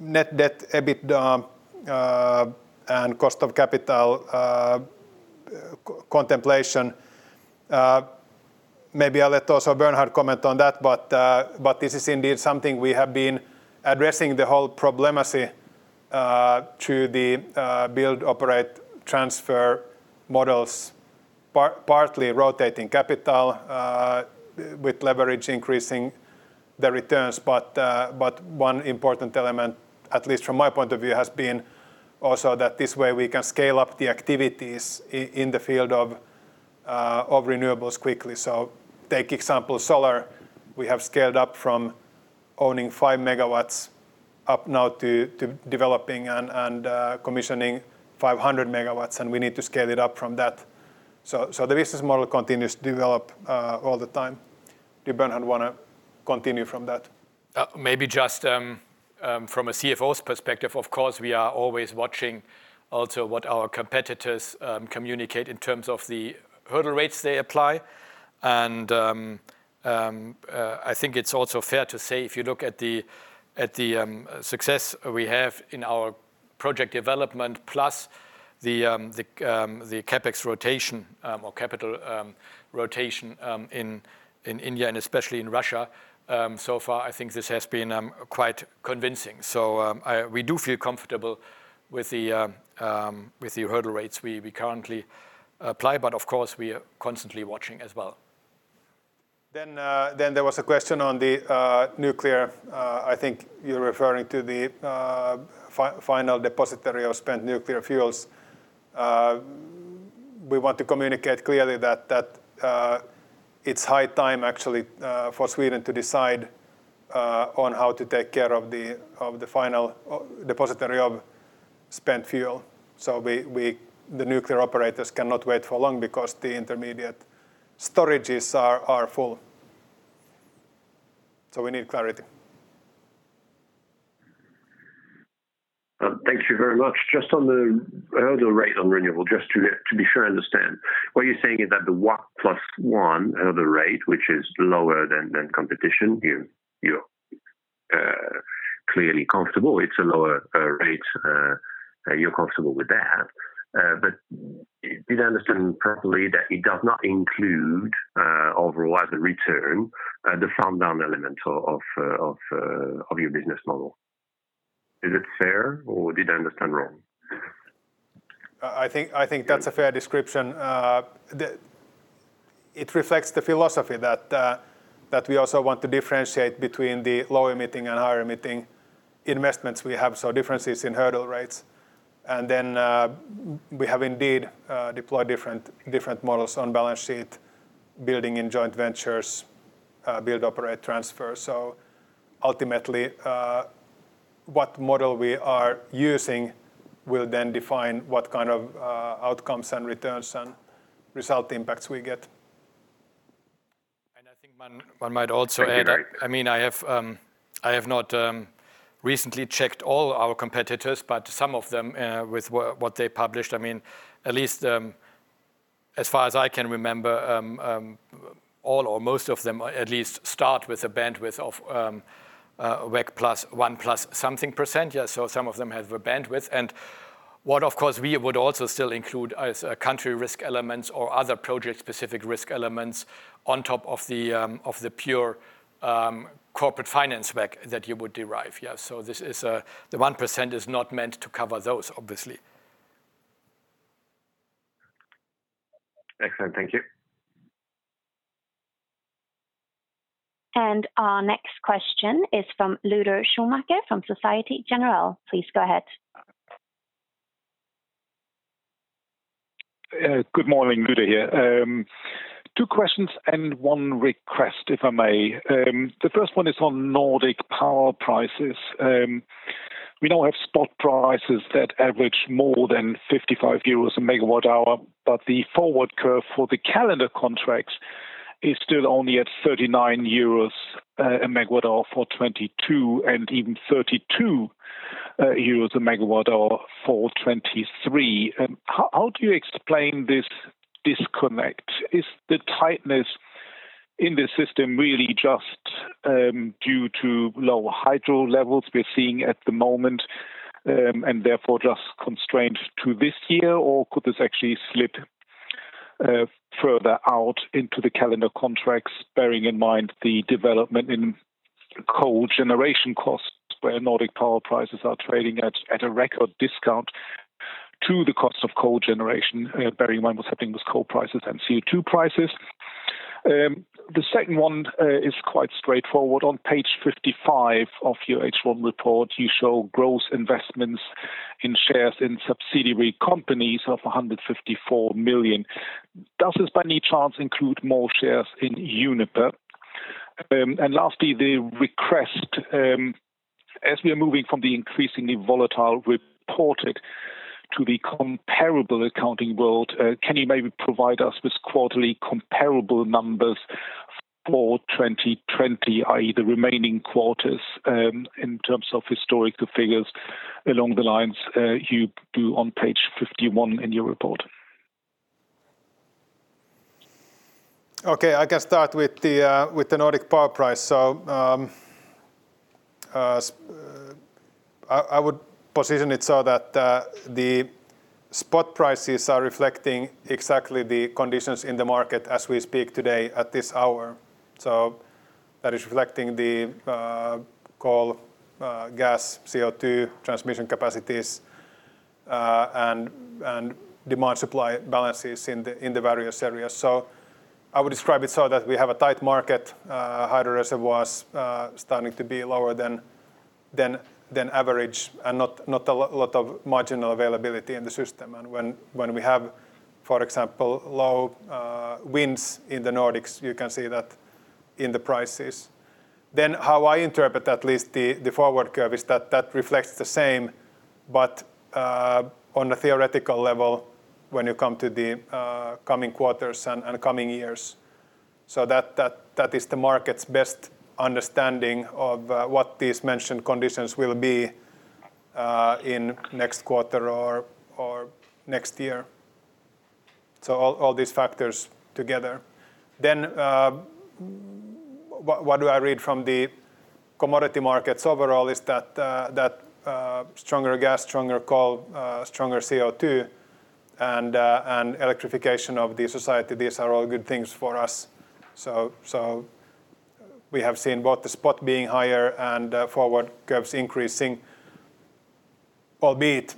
net debt, EBITDA and cost of capital contemplation, maybe I'll let also Bernhard comment on that, but this is indeed something we have been addressing the whole problemancy to the build, operate, transfer models, partly rotating capital with leverage, increasing the returns. One important element, at least from my point of view, has been also that this way we can scale up the activities in the field of renewables quickly. Take example, solar, we have scaled up from owning 5 MW up now to developing and commissioning 500 MW, and we need to scale it up from that. The business model continues to develop all the time. Did Bernhard want to continue from that? Maybe just from a CFO's perspective, of course, we are always watching also what our competitors communicate in terms of the hurdle rates they apply. I think it's also fair to say, if you look at the success we have in our project development plus the CapEx rotation or capital rotation in India and especially in Russia, so far, I think this has been quite convincing. We do feel comfortable with the hurdle rates we currently apply. Of course, we are constantly watching as well. There was a question on the nuclear. I think you're referring to the final depository of spent nuclear fuels. We want to communicate clearly that it's high time actually for Sweden to decide on how to take care of the final depository of spent fuel. The nuclear operators cannot wait for long because the intermediate storages are full. We need clarity. Thank you very much. Just on the hurdle rate on renewable, just to be sure I understand, what you're saying is that the WACC plus one hurdle rate, which is lower than competition, you're clearly comfortable. It's a lower rate, you're comfortable with that. Did I understand properly that it does not include overall the return, the farm down element of your business model? Is it fair or did I understand wrong? I think that's a fair description. It reflects the philosophy that we also want to differentiate between the low-emitting and higher-emitting investments we have, so differences in hurdle rates. We have indeed deployed different models on balance sheet, building in joint ventures, build operate transfer. Ultimately, what model we are using will then define what kind of outcomes and returns and result impacts we get. I think one might also add. Thank you. I have not recently checked all our competitors, but some of them with what they published, at least as far as I can remember, all or most of them at least start with a bandwidth of WACC plus one plus something percent. Some of them have a bandwidth. What of course we would also still include is country risk elements or other project-specific risk elements on top of the pure corporate finance WACC that you would derive. The 1% is not meant to cover those, obviously. Excellent. Thank you. Our next question is from Lueder Schumacher from Societe Generale. Please go ahead. Good morning. Lueder here. Two questions and one request, if I may. The first one is on Nordic power prices. We now have spot prices that average more than 55 euros a megawatt hour, but the forward curve for the calendar contracts is still only at 39 euros a megawatt hour for 2022, and even 32 euros a megawatt hour for 2023. How do you explain this disconnect? Is the tightness in the system really just due to low hydro levels we're seeing at the moment, and therefore just constrained to this year? Could this actually slip further out into the calendar contracts, bearing in mind the development in coal generation costs, where Nordic power prices are trading at a record discount to the cost of coal generation, bearing in mind what's happening with coal prices and CO2 prices? The second one is quite straightforward. On page 55 of your H1 report, you show gross investments in shares in subsidiary companies of 154 million. Does this by any chance include more shares in Uniper? Lastly, the request. As we are moving from the increasingly volatile reported to the comparable accounting world, can you maybe provide us with quarterly comparable numbers for 2020, i.e., the remaining quarters, in terms of historical figures along the lines you do on page 51 in your report? I can start with the Nordic power price. I would position it so that the spot prices are reflecting exactly the conditions in the market as we speak today at this hour. That is reflecting the coal, gas, CO2, transmission capacities, and demand-supply balances in the various areas. I would describe it so that we have a tight market, hydro reservoirs starting to be lower than average, and not a lot of marginal availability in the system. When we have, for example, low winds in the Nordics, you can see that in the prices. How I interpret, at least, the forward curve is that that reflects the same, but on a theoretical level when you come to the coming quarters and coming years. That is the market's best understanding of what these mentioned conditions will be in next quarter or next year. All these factors together. What do I read from the commodity markets overall is that stronger gas, stronger coal, stronger CO2 and electrification of the society, these are all good things for us. We have seen both the spot being higher and forward curves increasing, albeit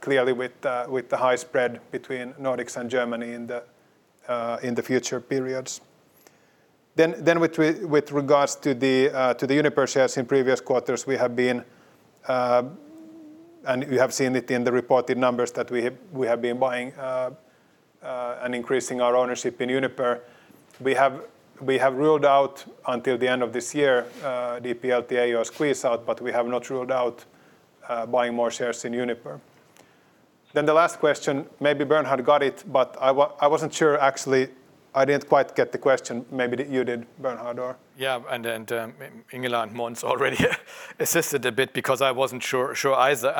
clearly with the high spread between Nordics and Germany in the future periods. With regards to the Uniper shares in previous quarters, we have been, and you have seen it in the reported numbers that we have been buying and increasing our ownership in Uniper. We have ruled out until the end of this year, the DPLTA or squeeze-out, but we have not ruled out buying more shares in Uniper. The last question, maybe Bernhard got it, but I wasn't sure, actually. I didn't quite get the question. Maybe you did, Bernhard or? Yeah. Ingela and Måns already assisted a bit because I wasn't sure either.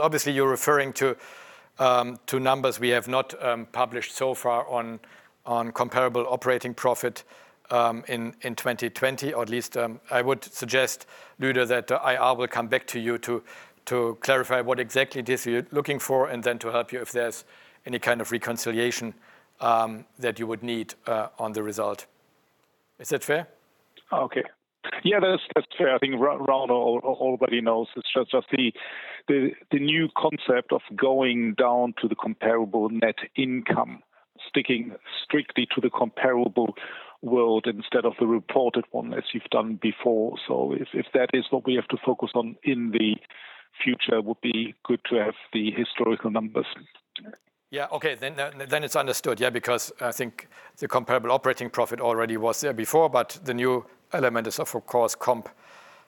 Obviously you're referring to numbers we have not published so far on comparable operating profit in 2020, or at least I would suggest, Lueder, that I will come back to you to clarify what exactly it is you're looking for and then to help you if there's any kind of reconciliation that you would need on the result. Is that fair? Okay. Yeah, that's fair. I think Ronald already knows. It's just the new concept of going down to the comparable net income, sticking strictly to the comparable world instead of the reported one as you've done before. If that is what we have to focus on in the future, would be good to have the historical numbers. Yeah. Okay, then it is understood. Yeah, because I think the comparable operating profit already was there before, but the new element is of course comp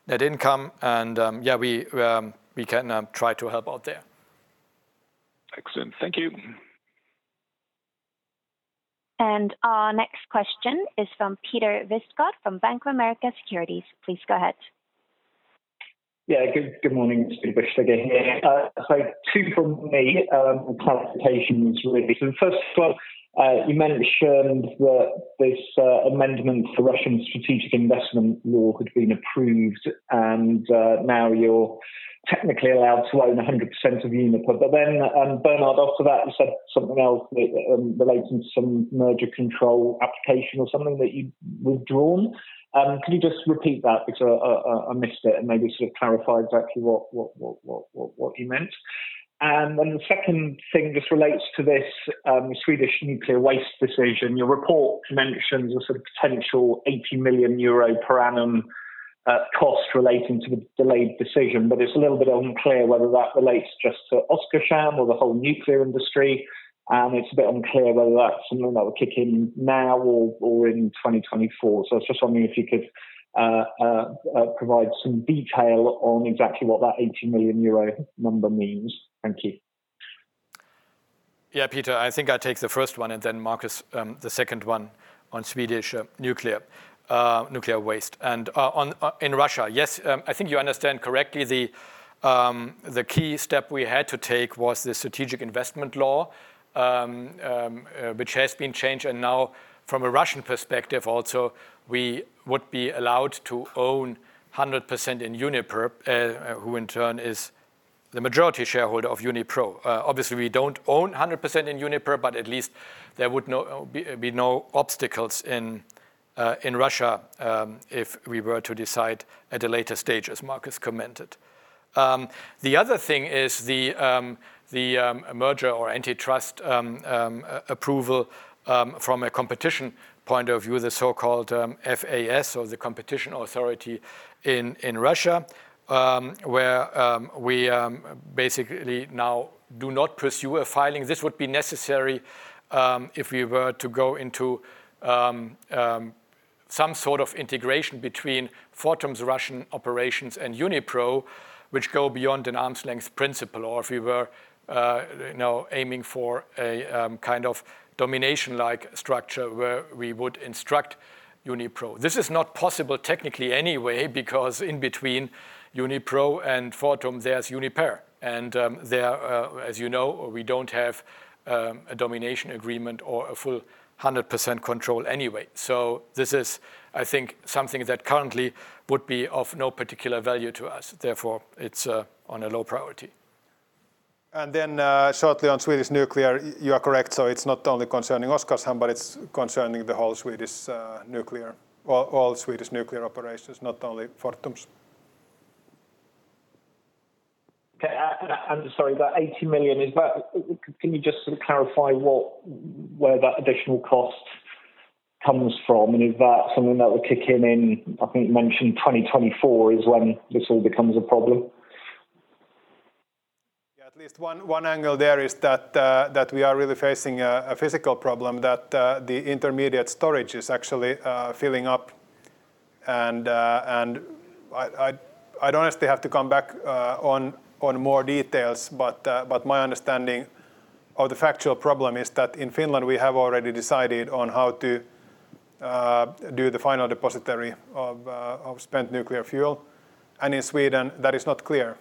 net income, and we can try to help out there. Excellent. Thank you. Our next question is from Peter Bisztyga from Bank of America Securities. Please go ahead. Yeah. Good morning. It's Peter Bisztyga here. Two from me, clarifications, really. First of all, you mentioned that this amendment to Russian Strategic Investment Law had been approved and now you're technically allowed to own 100% of Uniper. Bernhard, after that, you said something else relating to some merger control application or something that you've withdrawn. Can you just repeat that because I missed it, and maybe sort of clarify exactly what you meant? The second thing just relates to this Swedish nuclear waste decision. Your report mentions a sort of potential 80 million euro per annum cost relating to the delayed decision, but it's a little bit unclear whether that relates just to Oskarshamn or the whole nuclear industry. It's a bit unclear whether that's something that will kick in now or in 2024. It's just wondering if you could provide some detail on exactly what that 80 million euro number means. Thank you. Yeah, Peter, I think I'll take the first one and then Markus, the second one on Swedish nuclear waste. In Russia, yes, I think you understand correctly the key step we had to take was the Russian Strategic Investment Law, which has been changed. Now from a Russian perspective also, we would be allowed to own 100% in Uniper, who in turn is the majority shareholder of Unipro. Obviously, we don't own 100% in Uniper, but at least there would be no obstacles in Russia, if we were to decide at a later stage, as Markus commented. The other thing is the merger or antitrust approval from a competition point of view, the so-called FAS or the competition authority in Russia, where we basically now do not pursue a filing. This would be necessary, if we were to go into some sort of integration between Fortum's Russian operations and Unipro, which go beyond an arm's length principle, or if we were now aiming for a kind of domination-like structure where we would instruct Unipro. This is not possible technically anyway because in between Unipro and Fortum, there's Uniper and as you know, we don't have a domination agreement or a full 100% control anyway. This is, I think, something that currently would be of no particular value to us, therefore it's on a low priority. Shortly on Swedish nuclear, you are correct. It's not only concerning Oskarshamn, but it's concerning all Swedish nuclear operators, not only Fortum's. Okay. Sorry, that 80 million, can you just sort of clarify where that additional cost comes from? Is that something that will kick in, I think you mentioned 2024 is when this all becomes a problem? Yeah. At least one angle there is that we are really facing a physical problem that the intermediate storage is actually filling up. I'd honestly have to come back on more details, but my understanding of the factual problem is that in Finland we have already decided on how to do the final depository of spent nuclear fuel. In Sweden, that is not clear.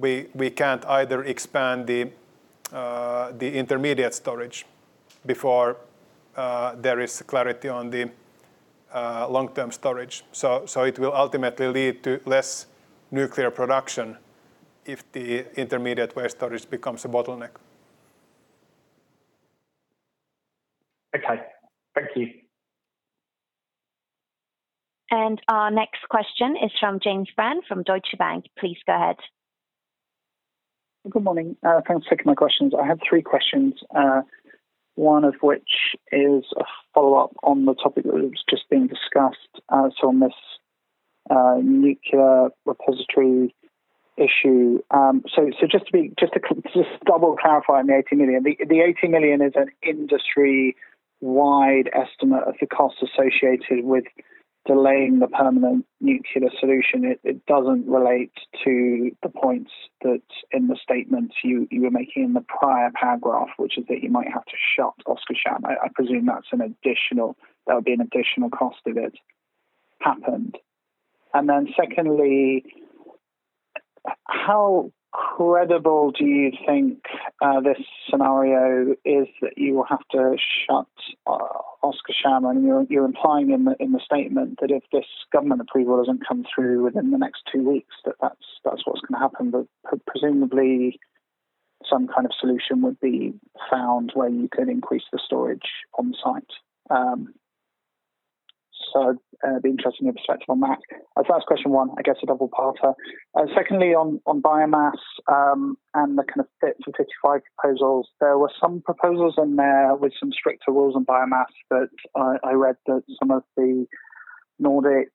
We can't either expand the intermediate storage before there is clarity on the long-term storage. It will ultimately lead to less nuclear production if the intermediate waste storage becomes a bottleneck. Okay. Thank you. Our next question is from James Brand from Deutsche Bank. Please go ahead. Good morning. Thanks for taking my questions. I have three questions, one of which is a follow-up on the topic that was just being discussed, on this nuclear repository issue. Just to double clarify on the 80 million, the 80 million is an industry-wide estimate of the cost associated with delaying the permanent nuclear solution. It doesn't relate to the points that in the statement you were making in the prior paragraph, which is that you might have to shut Oskarshamn. I presume that there would be an additional cost if it happened. Secondly, how credible do you think this scenario is that you will have to shut Oskarshamn? You're implying in the statement that if this government approval doesn't come through within the next two weeks, that that's what's going to happen. Presumably some kind of solution would be found where you can increase the storage on site. It'd be interesting your perspective on that. That's question one, I guess a double parter. Secondly, on biomass and the Fit for 55 proposals, there were some proposals in there with some stricter rules on biomass that I read that some of the Nordic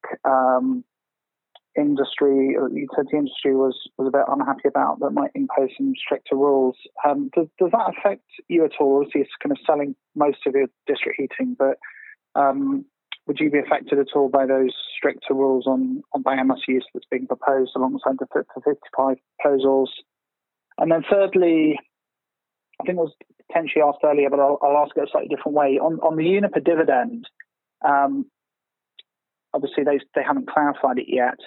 industry, you said the industry was a bit unhappy about that might impose some stricter rules. Does that affect you at all? Obviously, it's kind of selling most of your district heating, but would you be affected at all by those stricter rules on biomass use that's being proposed alongside the Fit for 55 proposals? Thirdly, I think it was potentially asked earlier, but I'll ask it a slightly different way. On the Uniper dividend, obviously, they haven't clarified it yet.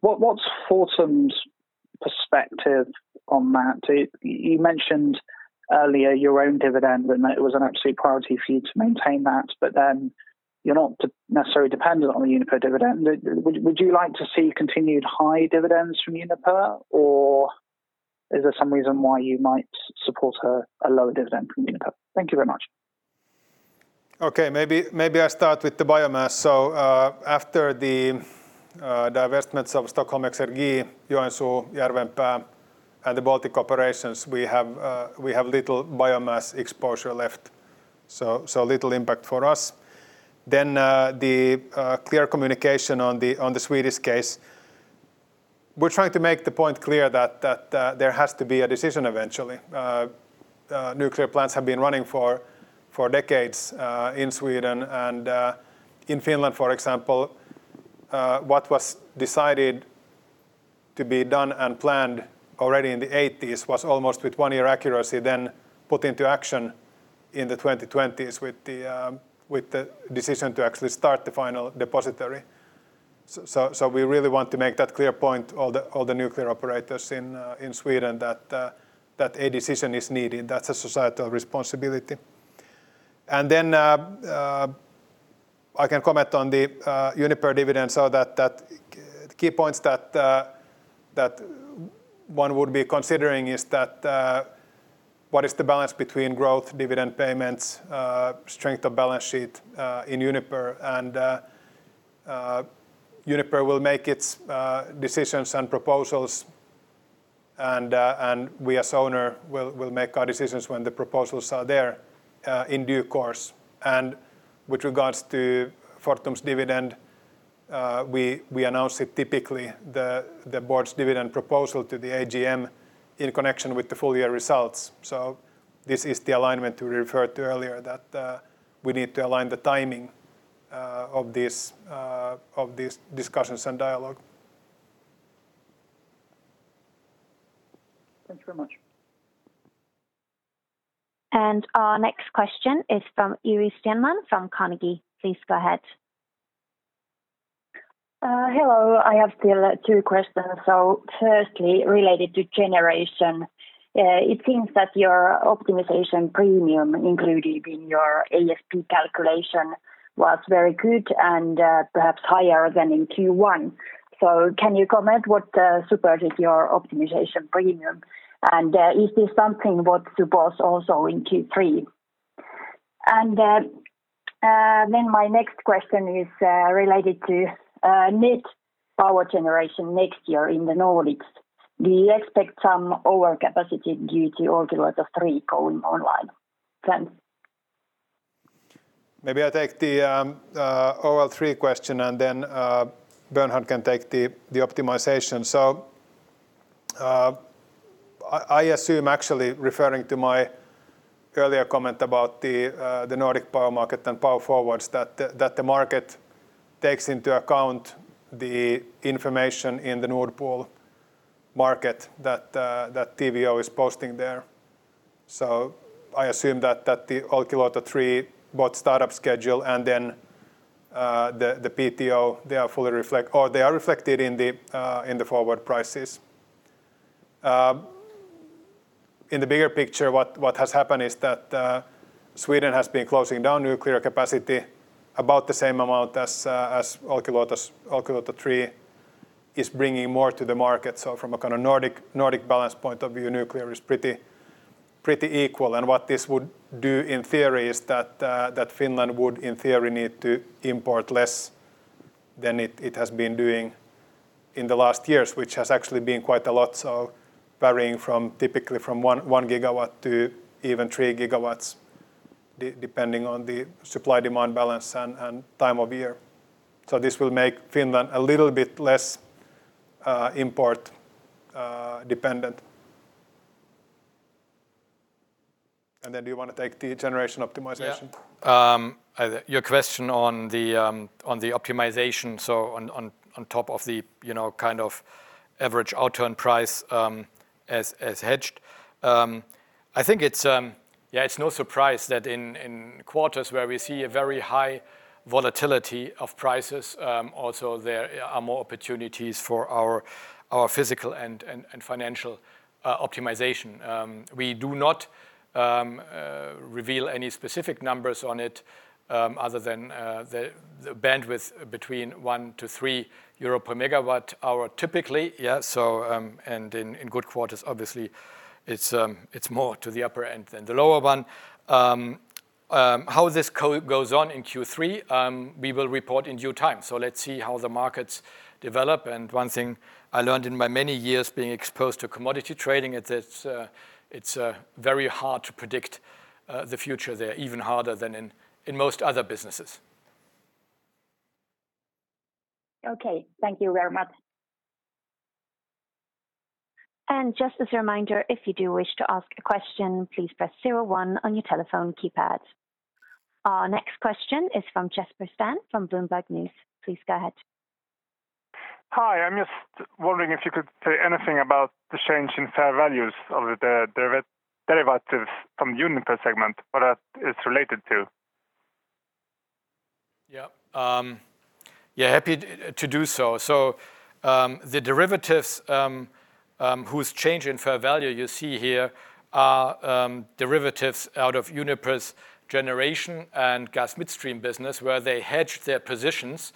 What's Fortum's perspective on that? You mentioned earlier your own dividend and that it was an absolute priority for you to maintain that. You're not necessarily dependent on the Uniper dividend. Would you like to see continued high dividends from Uniper, or is there some reason why you might support a lower dividend from Uniper? Thank you very much. Okay. Maybe I start with the biomass. After the divestments of Stockholm Exergi, Joensuu, Järvenpää, and the Baltic operations, we have little biomass exposure left. Little impact for us. The clear communication on the Swedish case. We're trying to make the point clear that there has to be a decision eventually. Nuclear plants have been running for decades in Sweden. In Finland, for example, what was decided to be done and planned already in the 1980s was almost, with one-year accuracy, put into action in the 2020s with the decision to actually start the final depository. We really want to make that clear point, all the nuclear operators in Sweden that a decision is needed. That's a societal responsibility. I can comment on the Uniper dividend. The key points that one would be considering is that what is the balance between growth, dividend payments, strength of balance sheet in Uniper. Uniper will make its decisions and proposals, and we as owner will make our decisions when the proposals are there in due course. With regards to Fortum's dividend, we announce it typically, the board's dividend proposal to the AGM in connection with the full-year results. This is the alignment we referred to earlier, that we need to align the timing of these discussions and dialogue. Thank you so much. Our next question is from Iiris Stjernvall from Carnegie. Please go ahead. Hello. I have still two questions. Firstly, related to generation. It seems that your optimization premium included in your ASP calculation was very good and perhaps higher than in Q1. Can you comment what supports your optimization premium? Is this something what supports also in Q3? My next question is related to net power generation next year in the Nordics. Do you expect some overcapacity due to Olkiluoto 3 going online? Thanks. Maybe I take the OL3 question and then Bernhard can take the optimization. I assume actually referring to my earlier comment about the Nordic power market and power forwards, that the market takes into account the information in the Nord Pool market that TVO is posting there. I assume that the Olkiluoto 3, both startup schedule and then the PTO, they are reflected in the forward prices. In the bigger picture, what has happened is that Sweden has been closing down nuclear capacity about the same amount as Olkiluoto 3 is bringing more to the market. From a kind of Nordic balance point of view, nuclear is pretty equal. What this would do, in theory, is that Finland would, in theory, need to import less than it has been doing in the last years, which has actually been quite a lot. Varying from typically from 1 GW to even 3 GW, depending on the supply-demand balance and time of year. This will make Finland a little bit less import-dependent. Then do you want to take the generation optimization? Yeah. Your question on the optimization. On top of the kind of average outturn price as hedged. I think it's no surprise that in quarters where we see a very high volatility of prices, also there are more opportunities for our physical and financial optimization. We do not reveal any specific numbers on it other than the bandwidth between 1-3 euro per megawatt-hour, typically. In good quarters, obviously it's more to the upper end than the lower one. How this goes on in Q3, we will report in due time. Let's see how the markets develop. One thing I learned in my many years being exposed to commodity trading, it's very hard to predict the future there, even harder than in most other businesses. Okay. Thank you very much. Just as a reminder, if you do wish to ask a question, please press zero one on your telephone keypad. Our next question is from Jesper Starn from Bloomberg News. Please go ahead. Hi. I'm just wondering if you could say anything about the change in fair values of the derivatives from Uniper segment, what that is related to? Yeah. Happy to do so. The derivatives whose change in fair value you see here are derivatives out of Uniper's generation and gas midstream business where they hedged their positions.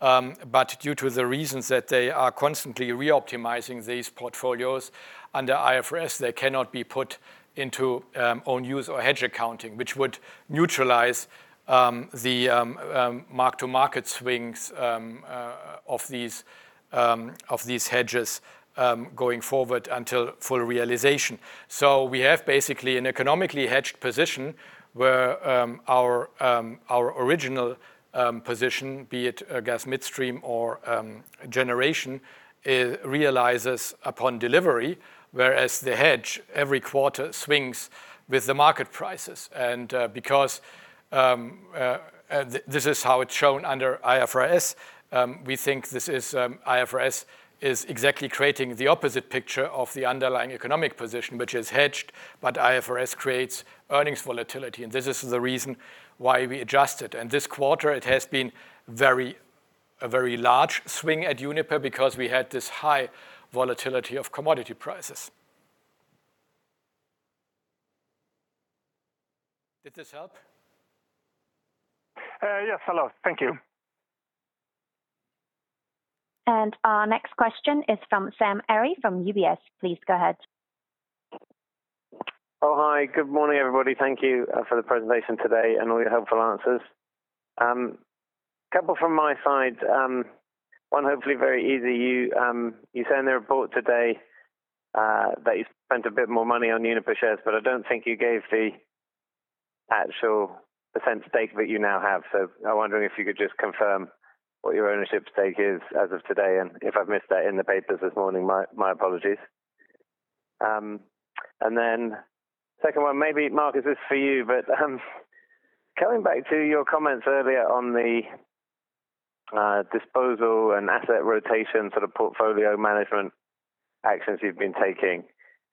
Due to the reasons that they are constantly re-optimizing these portfolios, under IFRS, they cannot be put into own-use or hedge accounting, which would neutralize the mark-to-market swings of these hedges going forward until full realization. We have basically an economically hedged position where our original position, be it gas midstream or generation, realizes upon delivery, whereas the hedge every quarter swings with the market prices. Because this is how it's shown under IFRS, we think IFRS is exactly creating the opposite picture of the underlying economic position, which is hedged, but IFRS creates earnings volatility, and this is the reason why we adjust it. This quarter it has been a very large swing at Uniper because we had this high volatility of commodity prices. Did this help? Yes. Hello. Thank you. Our next question is from Sam Arie from UBS. Please go ahead. Oh, hi. Good morning, everybody. Thank you for the presentation today and all your helpful answers. Couple from my side. One, hopefully very easy. You say in the report today that you spent a bit more money on Uniper shares. I don't think you gave the actual % stake that you now have. I'm wondering if you could just confirm what your ownership stake is as of today, and if I've missed that in the papers this morning, my apologies. Second one, maybe Markus, this is for you. Coming back to your comments earlier on the disposal and asset rotation, sort of portfolio management actions you've been taking.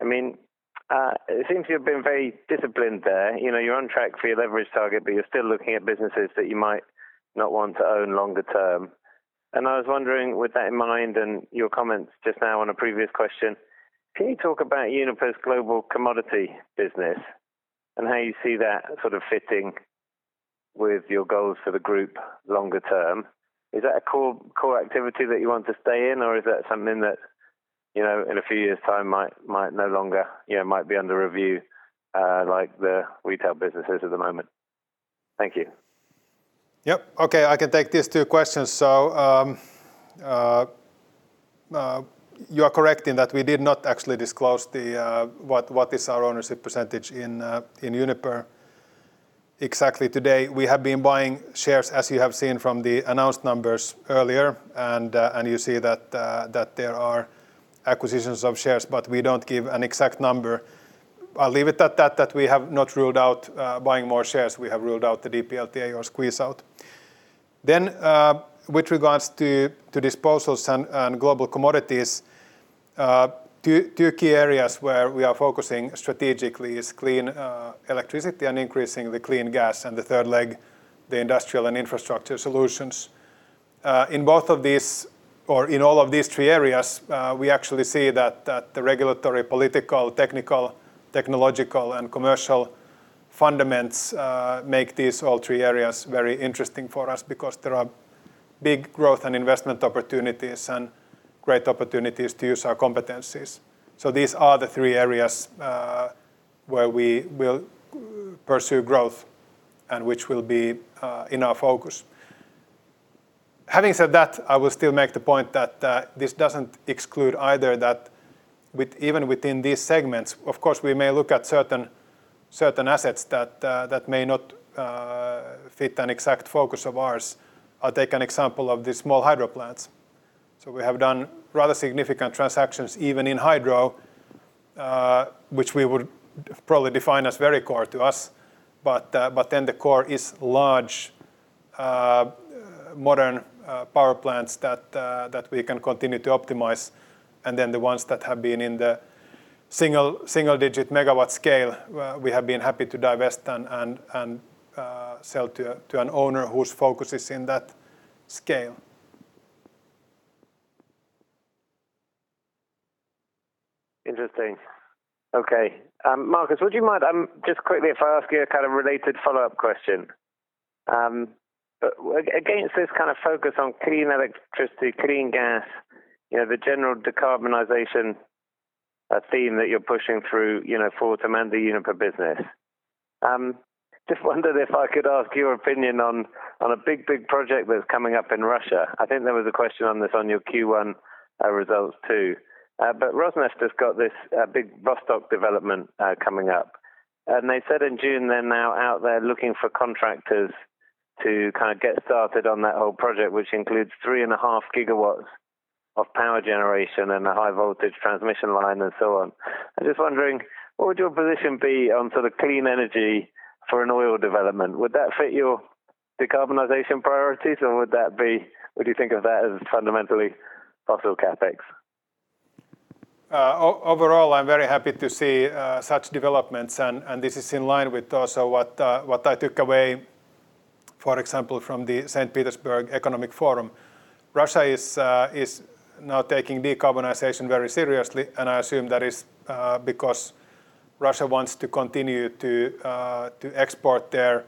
It seems you've been very disciplined there. You're on track for your leverage target. You're still looking at businesses that you might not want to own longer term. I was wondering, with that in mind and your comments just now on a previous question, can you talk about Uniper's global commodity business and how you see that sort of fitting with your goals for the group longer term? Is that a core activity that you want to stay in, or is that something that, in a few years' time might be under review, like the retail businesses at the moment? Thank you. Yep. Okay. I can take these two questions. You are correct in that we did not actually disclose what is our ownership percentage in Uniper exactly today. We have been buying shares, as you have seen from the announced numbers earlier, and you see that there are acquisitions of shares, but we don't give an exact number. I'll leave it at that we have not ruled out buying more shares. We have ruled out the DPLT or squeeze out. With regards to disposals and global commodities, two key areas where we are focusing strategically is clean electricity and increasing the clean gas, and the third leg, the industrial and infrastructure solutions. In all of these three areas, we actually see that the regulatory, political, technical, technological, and commercial fundaments make these all three areas very interesting for us because there are big growth and investment opportunities and great opportunities to use our competencies. These are the three areas where we will pursue growth and which will be in our focus. Having said that, I will still make the point that this doesn't exclude either that even within these segments, of course, we may look at certain assets that may not fit an exact focus of ours. I'll take an example of the small hydro plants. We have done rather significant transactions even in hydro, which we would probably define as very core to us. The core is large, modern power plants that we can continue to optimize, and then the ones that have been in the single-digit megawatt scale, we have been happy to divest and sell to an owner whose focus is in that scale. Interesting. Okay. Markus, would you mind, just quickly if I ask you a kind of related follow-up question. Against this kind of focus on clean electricity, clean gas, the general decarbonization, a theme that you're pushing through, forward to manage the Uniper business. Just wondered if I could ask your opinion on a big project that's coming up in Russia. I think there was a question on this on your Q1 results, too. Rosneft has got this big Vostok development coming up, and they said in June, they're now out there looking for contractors to get started on that whole project, which includes 3.5 GW of power generation and a high voltage transmission line and so on. I'm just wondering, what would your position be on sort of clean energy for an oil development? Would that fit your decarbonization priorities, or would you think of that as fundamentally fossil CapEx? Overall, I'm very happy to see such developments, and this is in line with also what I took away, for example, from the St. Petersburg Economic Forum. Russia is now taking decarbonization very seriously, and I assume that is because Russia wants to continue to export their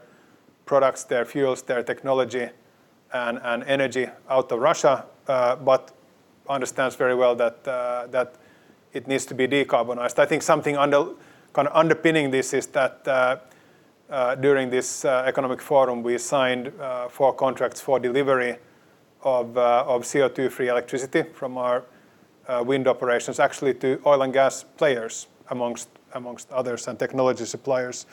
products, their fuels, their technology, and energy out of Russia, but understands very well that it needs to be decarbonized. I think something underpinning this is that during this economic forum, we signed four contracts for delivery of CO2-free electricity from our wind operations, actually to oil and gas players, amongst others, and technology suppliers.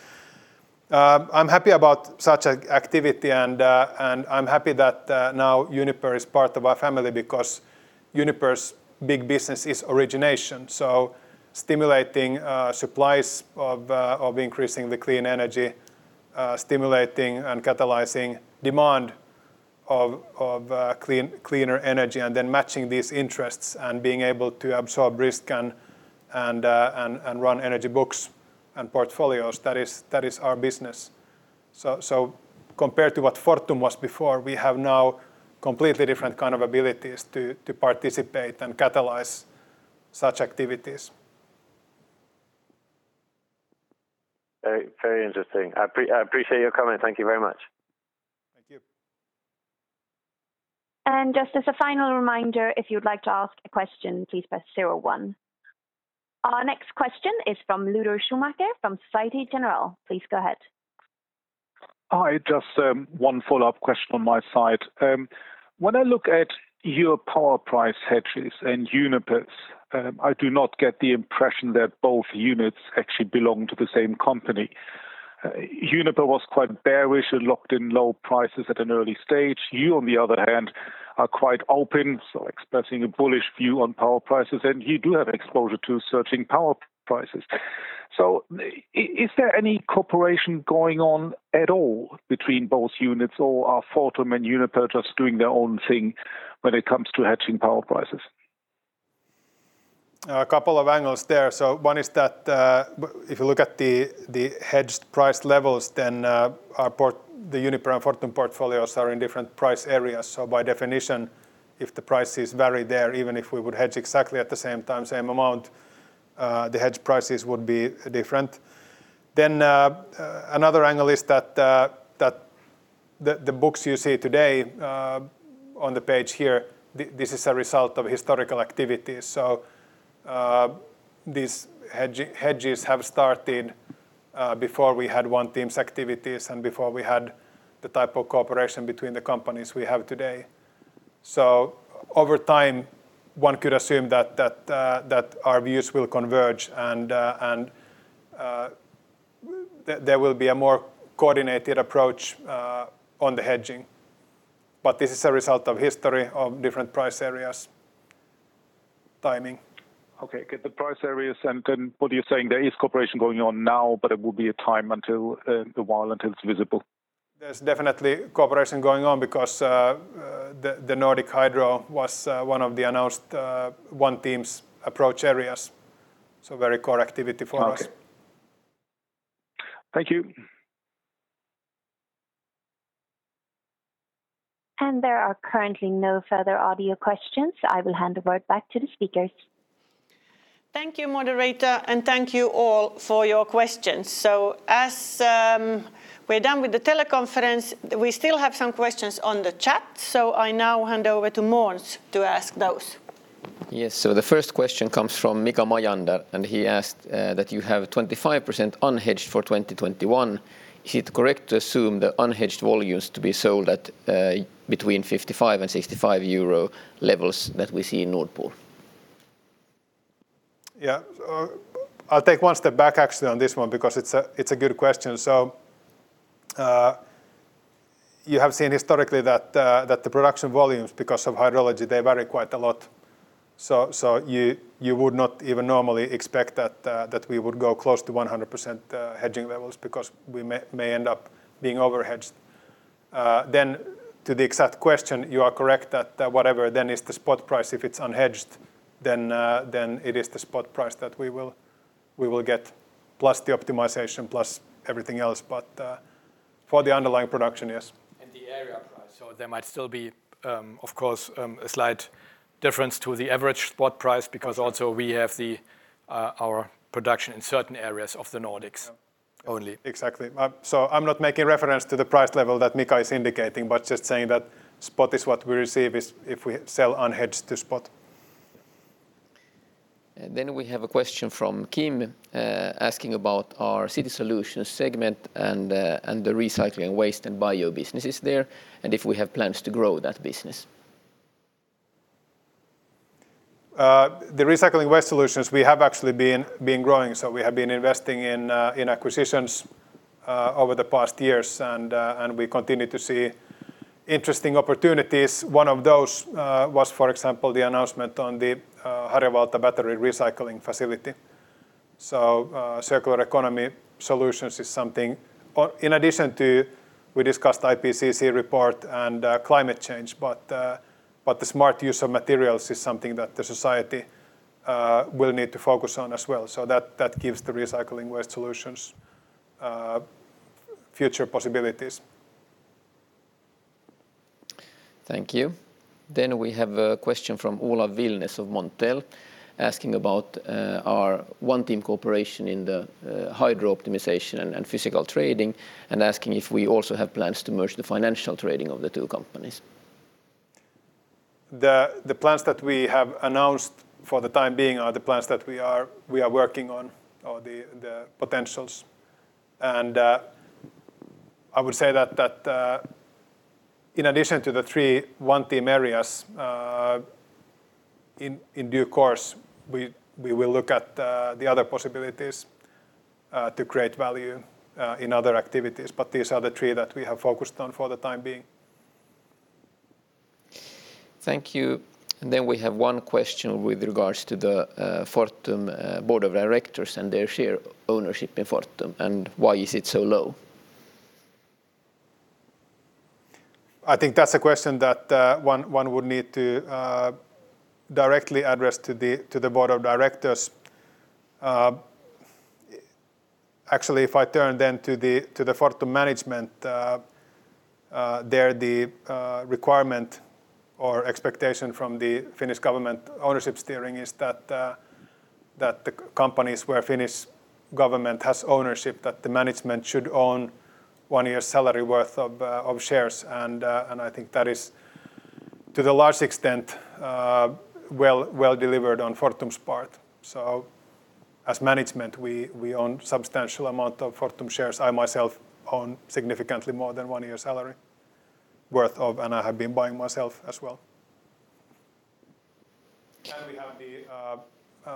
I'm happy about such activity and I'm happy that now Uniper is part of our family because Uniper's big business is origination, so stimulating supplies of increasing the clean energy, stimulating and catalyzing demand of cleaner energy, and then matching these interests and being able to absorb risk and run energy books and portfolios. That is our business. Compared to what Fortum was before, we have now completely different kind of abilities to participate and catalyze such activities. Very interesting. I appreciate your comment. Thank you very much. Thank you. Just as a final reminder, if you'd like to ask a question, please press zero one. Our next question is from Lueder Schumacher from Societe Generale. Please go ahead. Hi, just one follow-up question on my side. When I look at your power price hedges and Uniper's, I do not get the impression that both units actually belong to the same company. Uniper was quite bearish and locked in low prices at an early stage. You, on the other hand, are quite open, so expressing a bullish view on power prices, and you do have exposure to surging power prices. Is there any cooperation going on at all between both units, or are Fortum and Uniper just doing their own thing when it comes to hedging power prices? A couple of angles there. One is that if you look at the hedged price levels, then the Uniper and Fortum portfolios are in different price areas. By definition, if the prices vary there, even if we would hedge exactly at the same time, same amount, the hedge prices would be different. Another angle is that the books you see today, on the page here, this is a result of historical activity. These hedges have started before we had One Team activities and before we had the type of cooperation between the companies we have today. Over time, one could assume that our views will converge and there will be a more coordinated approach on the hedging. This is a result of history of different price areas, timing. Okay, get the price areas and then what you're saying, there is cooperation going on now, but it will be a time a while until it's visible. There's definitely cooperation going on because the Nordic Hydro was one of the announced One Team approach areas. Very core activity for us. Thank you. There are currently no further audio questions. I will hand the word back to the speakers. Thank you, moderator. Thank you all for your questions. As we're done with the teleconference, we still have some questions on the chat. I now hand over to Måns to ask those. Yes. The first question comes from Mika Majander, and he asked that you have 25% unhedged for 2021. Is it correct to assume the unhedged volumes to be sold at between 55 and 65 euro levels that we see in Nord Pool? Yeah. I'll take one step back actually on this one because it's a good question. You have seen historically that the production volumes, because of hydrology, they vary quite a lot. You would not even normally expect that we would go close to 100% hedging levels because we may end up being overhedged. To the exact question, you are correct that whatever then is the spot price, if it's unhedged, then it is the spot price that we will get, plus the optimization, plus everything else. For the underlying production, yes. The area price. There might still be, of course, a slight difference to the average spot price because also we have our production in certain areas of the Nordics. Exactly. I'm not making reference to the price level that Mika is indicating, but just saying that spot is what we receive if we sell unhedged to spot. We have a question from Kim, asking about our City Solutions segment and the recycling waste and bio businesses there, and if we have plans to grow that business. The recycling waste solutions, we have actually been growing. We have been investing in acquisitions over the past years, and we continue to see interesting opportunities. One of those was, for example, the announcement on the Harjavalta battery recycling facility. Circular economy solutions is something. In addition, we discussed the IPCC report and climate change, but the smart use of materials is something that the society will need to focus on as well. That gives the recycling waste solutions future possibilities. Thank you. We have a question from Olav Vilnes of Montel asking about our One Team cooperation in the hydro optimization and physical trading, and asking if we also have plans to merge the financial trading of the two companies. The plans that we have announced for the time being are the plans that we are working on, or the potentials. I would say that in addition to the three One Team areas, in due course, we will look at the other possibilities to create value in other activities, but these are the three that we have focused on for the time being. Thank you. We have one question with regards to the Fortum board of directors and their share ownership in Fortum, and why is it so low. I think that's a question that one would need to directly address to the board of directors. Actually, if I turn then to the Fortum management, there the requirement or expectation from the Finnish government ownership steering is that the companies where Finnish government has ownership, that the management should own one year's salary worth of shares. I think that is, to the large extent, well delivered on Fortum's part. As management, we own substantial amount of Fortum shares. I myself own significantly more than one year's salary worth of, and I have been buying myself as well. We have the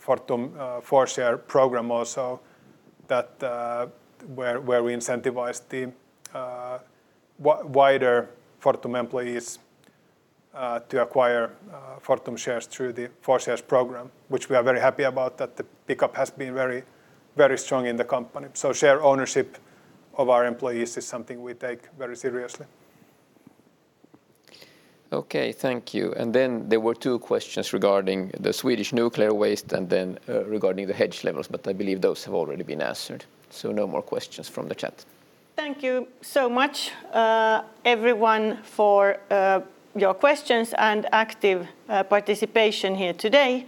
Fortum forShares program also where we incentivize the wider Fortum employees to acquire Fortum shares through the forShares program, which we are very happy about that the pickup has been very strong in the company. Share ownership of our employees is something we take very seriously. Okay. Thank you. There were two questions regarding the Swedish nuclear waste and then regarding the hedge levels, but I believe those have already been answered. No more questions from the chat. Thank you so much, everyone, for your questions and active participation here today.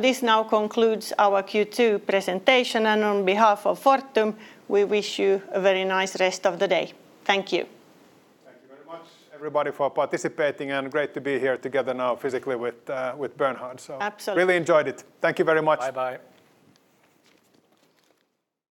This now concludes our Q2 presentation, and on behalf of Fortum, we wish you a very nice rest of the day. Thank you. Thank you very much, everybody, for participating, and great to be here together now physically with Bernhard. Absolutely. Really enjoyed it. Thank you very much. Bye. Bye.